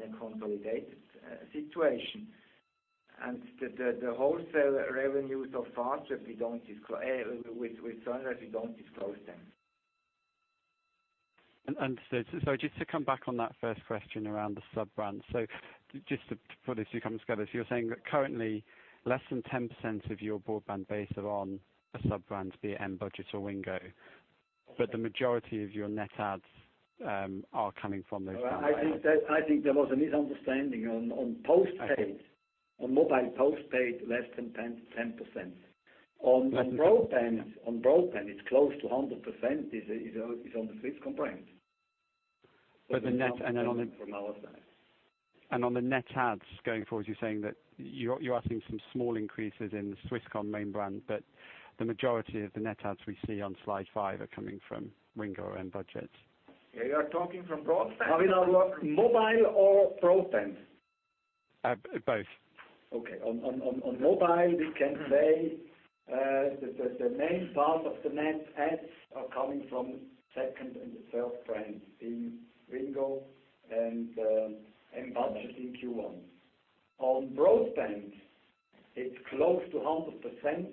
a consolidated situation. The wholesale revenues of Fastweb with Sunrise, we don't disclose them. Understood. Just to come back on that first question around the sub-brands. Just to pull a few comments together. You're saying that currently, less than 10% of your broadband base are on a sub-brand, be it M-Budget or Wingo. The majority of your net adds are coming from those brands right now? I think there was a misunderstanding. On mobile postpaid, less than 10%. On broadband, it's close to 100% is on the Swisscom brand. The net- From our side. On the net adds going forward, you're saying that you are seeing some small increases in the Swisscom main brand, but the majority of the net adds we see on slide five are coming from Wingo and M-Budget. You are talking from broadband? Mobile or broadband? Both. Okay. On mobile, we can say that the main part of the net adds are coming from second and the third brands in Wingo and M-Budget in Q1. On broadband, it's close to 100%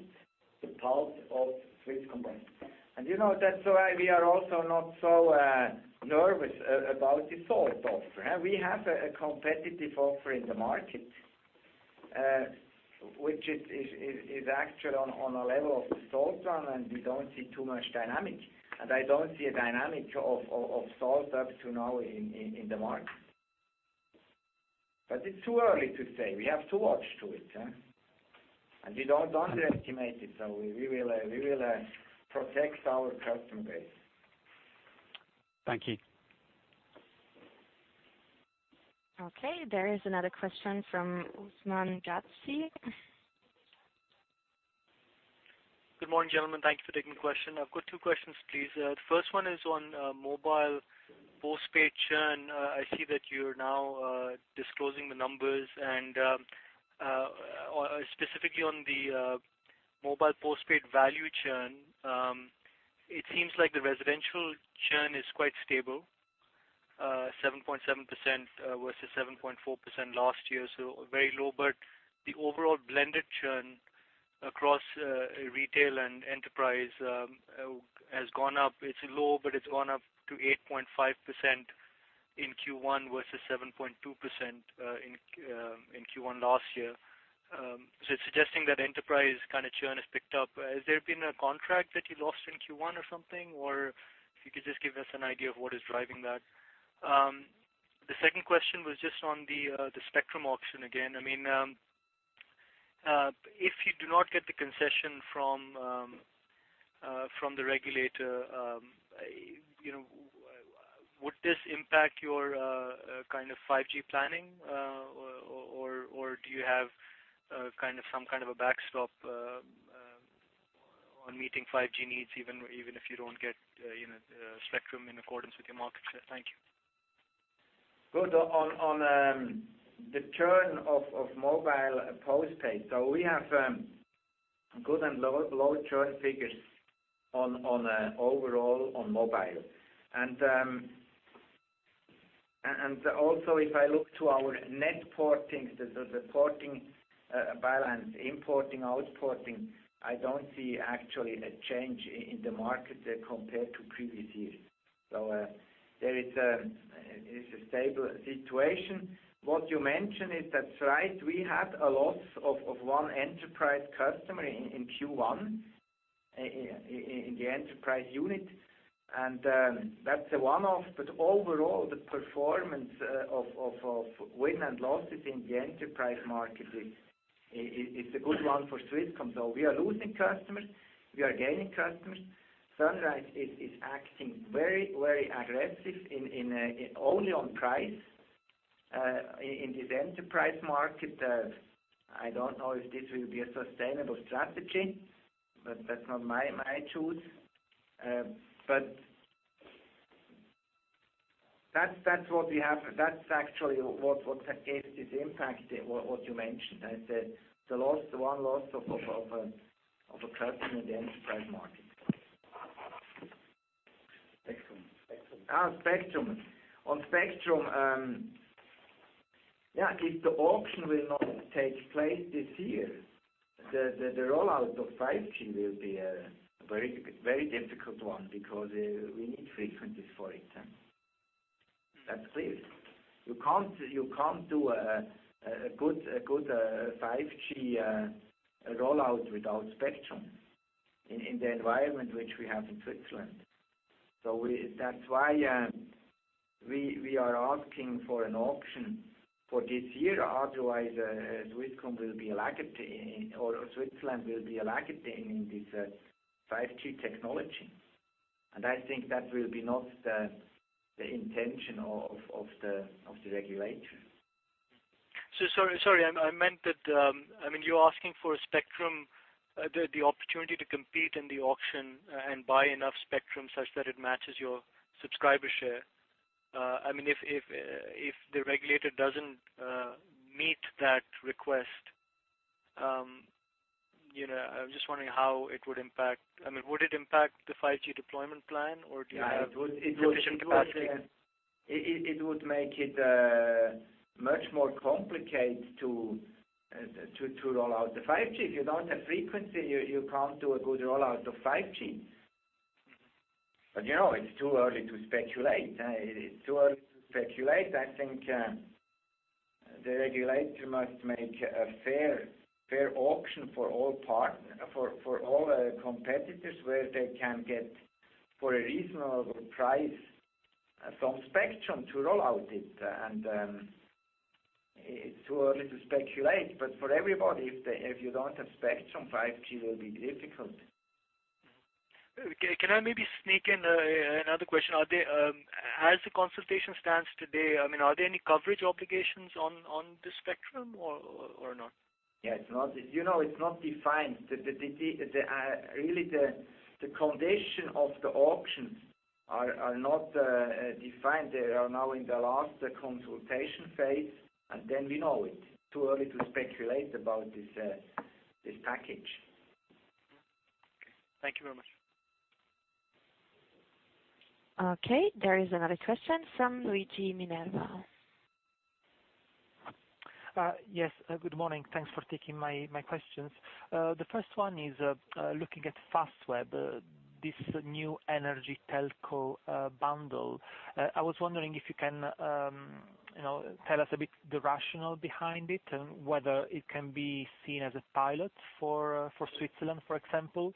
the part of Swisscom brand. That's why we are also not so nervous about the Salt offer. We have a competitive offer in the market which is actually on a level of Salt brand, and we don't see too much dynamic. I don't see a dynamic of Salt up to now in the market. It's too early to say. We have to watch to it. We don't underestimate it, so we will protect our customer base. Thank you. There is another question from Usman Ghazi. Good morning, gentlemen. Thank you for taking the question. I've got two questions, please. The first one is on mobile postpaid churn. I see that you're now disclosing the numbers. Specifically, on the mobile postpaid value churn. It seems like the residential churn is quite stable, 7.7% versus 7.4% last year, so very low. The overall blended churn across retail and enterprise has gone up. It's low, but it's gone up to 8.5% in Q1 versus 7.2% in Q1 last year. It's suggesting that enterprise churn has picked up. Has there been a contract that you lost in Q1 or something, or if you could just give us an idea of what is driving that? The second question was just on the spectrum auction again. If you do not get the concession from the regulator, would this impact your 5G planning? Do you have some kind of a backstop on meeting 5G needs, even if you don't get spectrum in accordance with your market share? Thank you. Good. On the churn of mobile postpaid. We have good and low churn figures overall on mobile. If I look to our net porting, the porting balance, importing, outporting, I don't see actually a change in the market compared to previous years. There is a stable situation. What you mentioned is that, right, we had a loss of one enterprise customer in Q1, in the enterprise unit. That's a one-off, but overall, the performance of win and losses in the enterprise market is a good one for Swisscom. We are losing customers. We are gaining customers. Sunrise is acting very aggressive only on price in this enterprise market. I don't know if this will be a sustainable strategy, but that's not my choice. That's actually what gave this impact, what you mentioned. I said the one loss of a customer in the enterprise market. Spectrum. Spectrum. On spectrum, if the auction will not take place this year, the rollout of 5G will be a very difficult one because we need frequencies for it. That's clear. You can't do a good 5G rollout without spectrum in the environment which we have in Switzerland. That's why we are asking for an auction for this year. Otherwise, Swisscom will be lagging, or Switzerland will be lagging in this 5G technology. I think that will be not the intention of the regulation. Sorry. I meant that you're asking for a spectrum, the opportunity to compete in the auction and buy enough spectrum such that it matches your subscriber share. If the regulator doesn't meet that request, I was just wondering how it would impact. Would it impact the 5G deployment plan, or do you have sufficient capacity? It would make it much more complicated to roll out the 5G. If you don't have frequency, you can't do a good rollout of 5G. It's too early to speculate. I think the regulator must make a fair auction for all competitors, where they can get, for a reasonable price, some spectrum to roll out it. It's too early to speculate, but for everybody, if you don't have spectrum, 5G will be difficult. Can I maybe sneak in another question? As the consultation stands today, are there any coverage obligations on the spectrum or not? Yeah. It's not defined. Really, the condition of the auctions are not defined. They are now in the last consultation phase, then we know it. Too early to speculate about this package. Okay. Thank you very much. Okay. There is another question from Luigi Minerva. Yes. Good morning. Thanks for taking my questions. The first one is looking at Fastweb, this new energy telco bundle. I was wondering if you can tell us a bit the rationale behind it and whether it can be seen as a pilot for Switzerland, for example.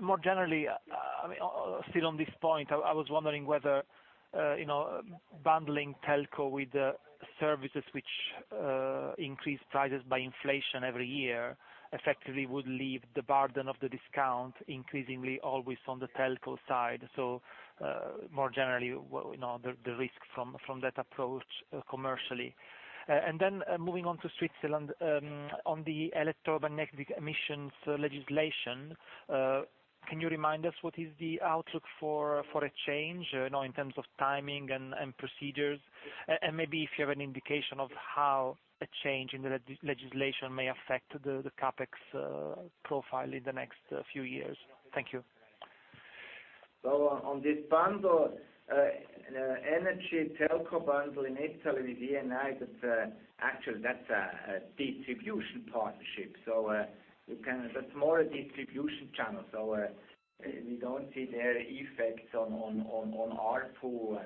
More generally, still on this point, I was wondering whether bundling telco with services which increase prices by inflation every year effectively would leave the burden of the discount increasingly always on the telco side. More generally, the risk from that approach commercially. Moving on to Switzerland, on the electromagnetic emissions legislation, can you remind us what is the outlook for a change in terms of timing and procedures? Maybe if you have an indication of how a change in the legislation may affect the CapEx profile in the next few years. Thank you. On this bundle, energy telco bundle in Italy with Eni, actually, that's a distribution partnership. That's more a distribution channel. We don't see their effects on ARPU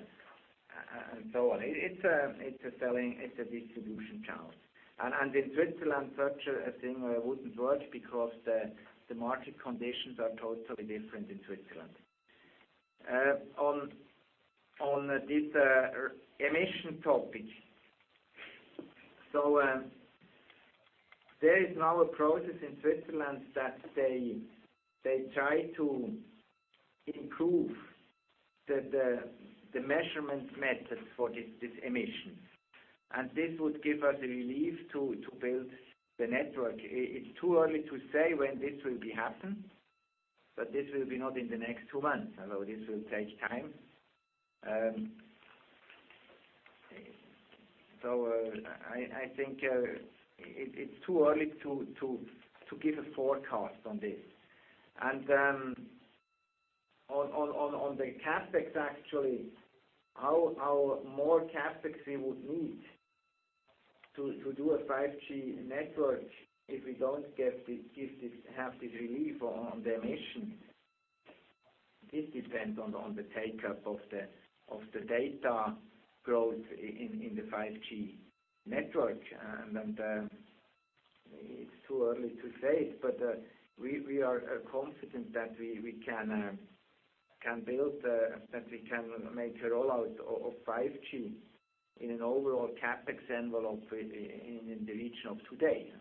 and so on. It's a distribution channel. In Switzerland, such a thing wouldn't work because the market conditions are totally different in Switzerland. On this emission topic. There is now a process in Switzerland that they try to improve the measurement method for this emission. This would give us a relief to build the network. It's too early to say when this will be happen, but this will be not in the next two months. This will take time. I think it's too early to give a forecast on this. On the CapEx, actually, how more CapEx we would need to do a 5G network if we don't have this relief on the emission. This depends on the take-up of the data growth in the 5G network. It's too early to say it, but we are confident that we can make a rollout of 5G in an overall CapEx envelope in the region of today.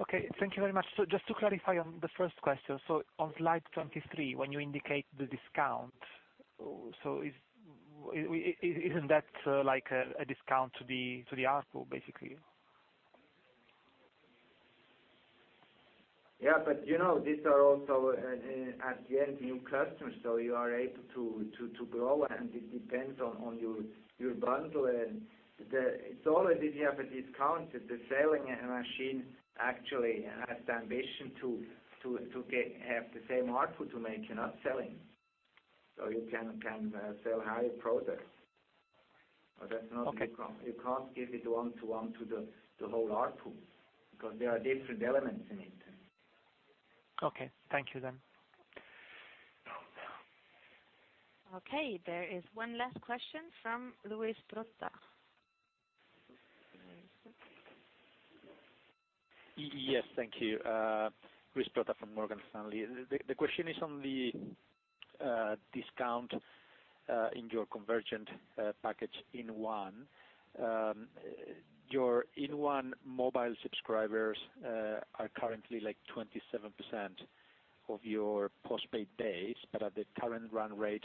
Okay. Thank you very much. Just to clarify on the first question, on slide 23, when you indicate the discount, isn't that like a discount to the ARPU, basically? Yeah, these are also, at the end, new customers, so you are able to grow. It depends on your bundle. It's always if you have a discount, if the selling machine actually has the ambition to have the same ARPU to make and not selling. You can sell higher products. That's not. Okay You can't give it one-to-one to the whole ARPU because there are different elements in it. Okay. Thank you then. Okay. There is one last question from Luis Prota. Yes. Thank you. Luis Prota from Morgan Stanley. The question is on the discount in your converged package inOne. Your inOne mobile subscribers are currently like 27% of your postpaid base, but at the current run rate,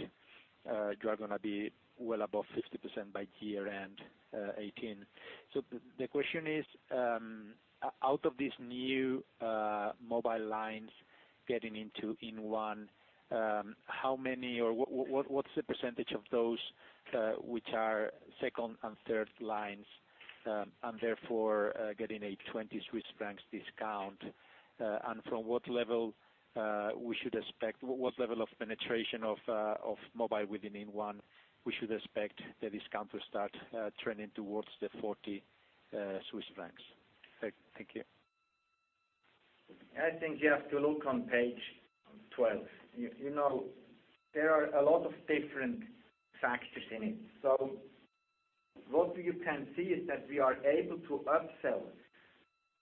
you are going to be well above 50% by year-end 2018. The question is: out of these new mobile lines getting into inOne, how many or what's the percentage of those which are second and third lines, and therefore, getting a 20 Swiss francs discount? From what level of penetration of mobile within inOne we should expect the discount to start trending towards the 40 Swiss francs? Thank you. I think you have to look on page 12. There are a lot of different factors in it. What you can see is that we are able to upsell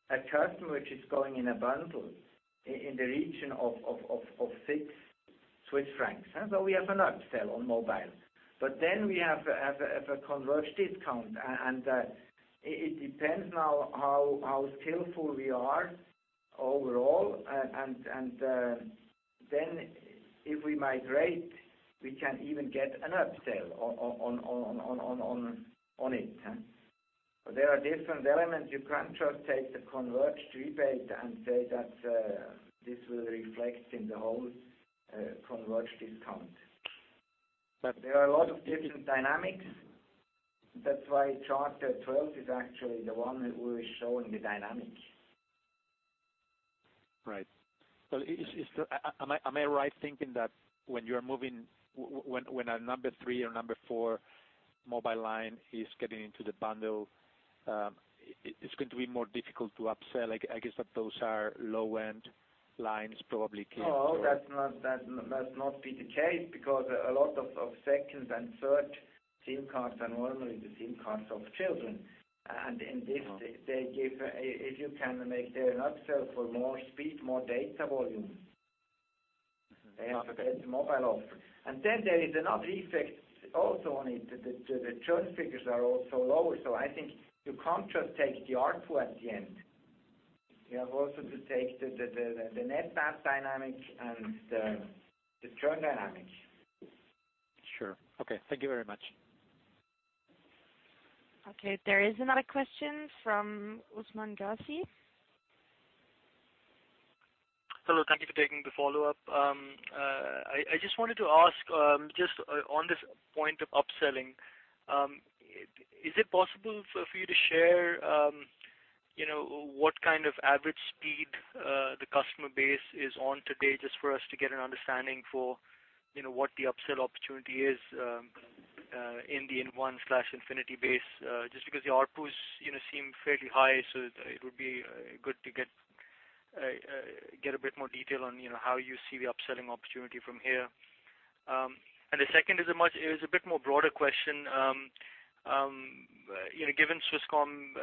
a customer which is going in a bundle in the region of 6 Swiss francs. We have an upsell on mobile. We have a converged discount. It depends now how skillful we are overall. If we migrate, we can even get an upsell on it. There are different elements. You can't just take the converged rebate and say that this will reflect in the whole converged discount. Right. There are a lot of different dynamics. That's why chart 12 is actually the one which is showing the dynamics. Right. Am I right thinking that when a number 3 or number 4 mobile line is getting into the bundle, it's going to be more difficult to upsell? I guess that those are low-end lines probably- No. That must not be the case because a lot of second and third SIM cards are normally the SIM cards of children. In this, if you can make their upsell for more speed, more data volume, they have a better mobile offer. There is another effect also on it. The churn figures are also lower. I think you can't just take the ARPU at the end. You have also to take the net porting dynamic and the churn dynamic. Sure. Okay. Thank you very much. Okay. There is another question from Usman Ghazi. Hello. Thank you for taking the follow-up. I just wanted to ask, just on this point of upselling. Is it possible for you to share what kind of average speed the customer base is on today just for us to get an understanding for what the upsell opportunity is in the inOne/Infinity base? Because the ARPUs seem fairly high, it would be good to get a bit more detail on how you see the upselling opportunity from here. The second is a bit more broader question. Given Swisscom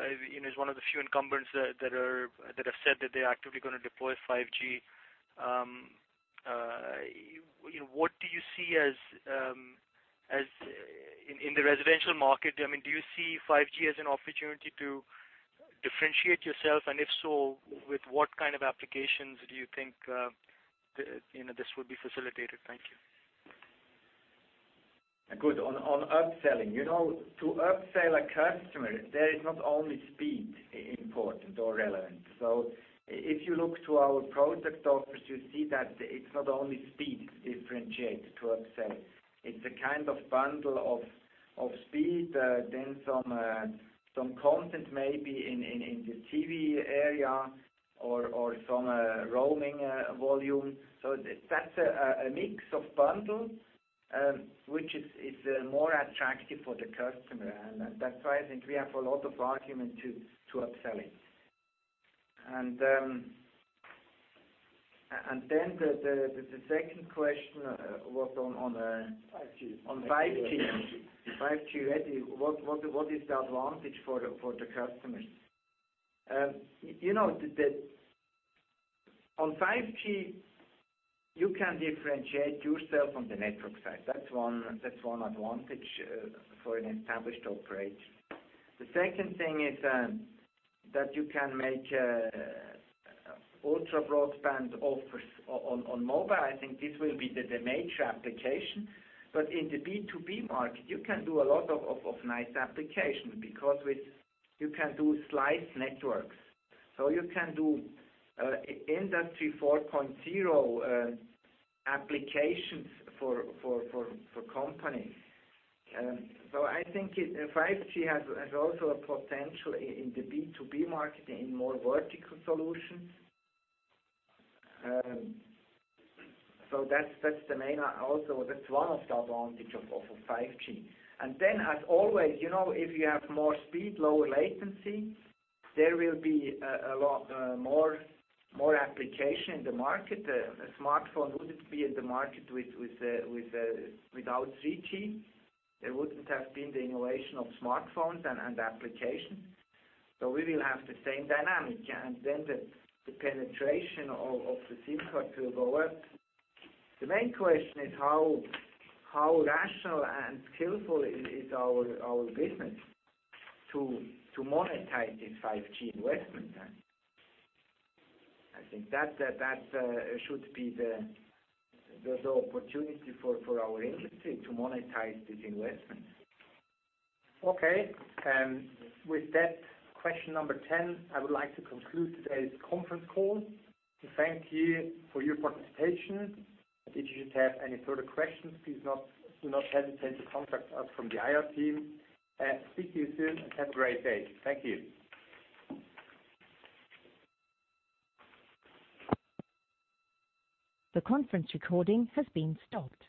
is one of the few incumbents that have said that they're actively going to deploy 5G. What do you see in the residential market? Do you see 5G as an opportunity to differentiate yourself? If so, with what kind of applications do you think this would be facilitated? Thank you. Good. On upselling. To upsell a customer, there is not only speed important or relevant. If you look to our product offers, you see that it's not only speed differentiate to upsell. It's a kind of bundle of speed, then some content may be in the TV area or some roaming volume. That's a mix of bundle, which is more attractive for the customer. That's why I think we have a lot of argument to upselling. Then the second question was on- 5G on 5G. 5G. 5G ready, what is the advantage for the customers? On 5G, you can differentiate yourself on the network side. That's one advantage for an established operator. The second thing is that you can make ultra-broadband offers on mobile. I think this will be the major application. In the B2B market, you can do a lot of nice application because you can do network slicing. You can do Industry 4.0 applications for company. I think 5G has also a potential in the B2B market in more vertical solutions. That's one of the advantage of 5G. Then as always, if you have more speed, lower latency, there will be a lot more application in the market. A smartphone wouldn't be in the market without 3G. There wouldn't have been the innovation of smartphones and application. We will have the same dynamic, then the penetration of the SIM card will go up. The main question is how rational and skillful is our business to monetize this 5G investment then. I think that should be the opportunity for our industry to monetize this investment. Okay. With that, question number 10, I would like to conclude today's conference call. Thank you for your participation, if you should have any further questions please do not hesitate to contact us from the IR team. Speak to you soon and have a great day. Thank you. The conference recording has been stopped.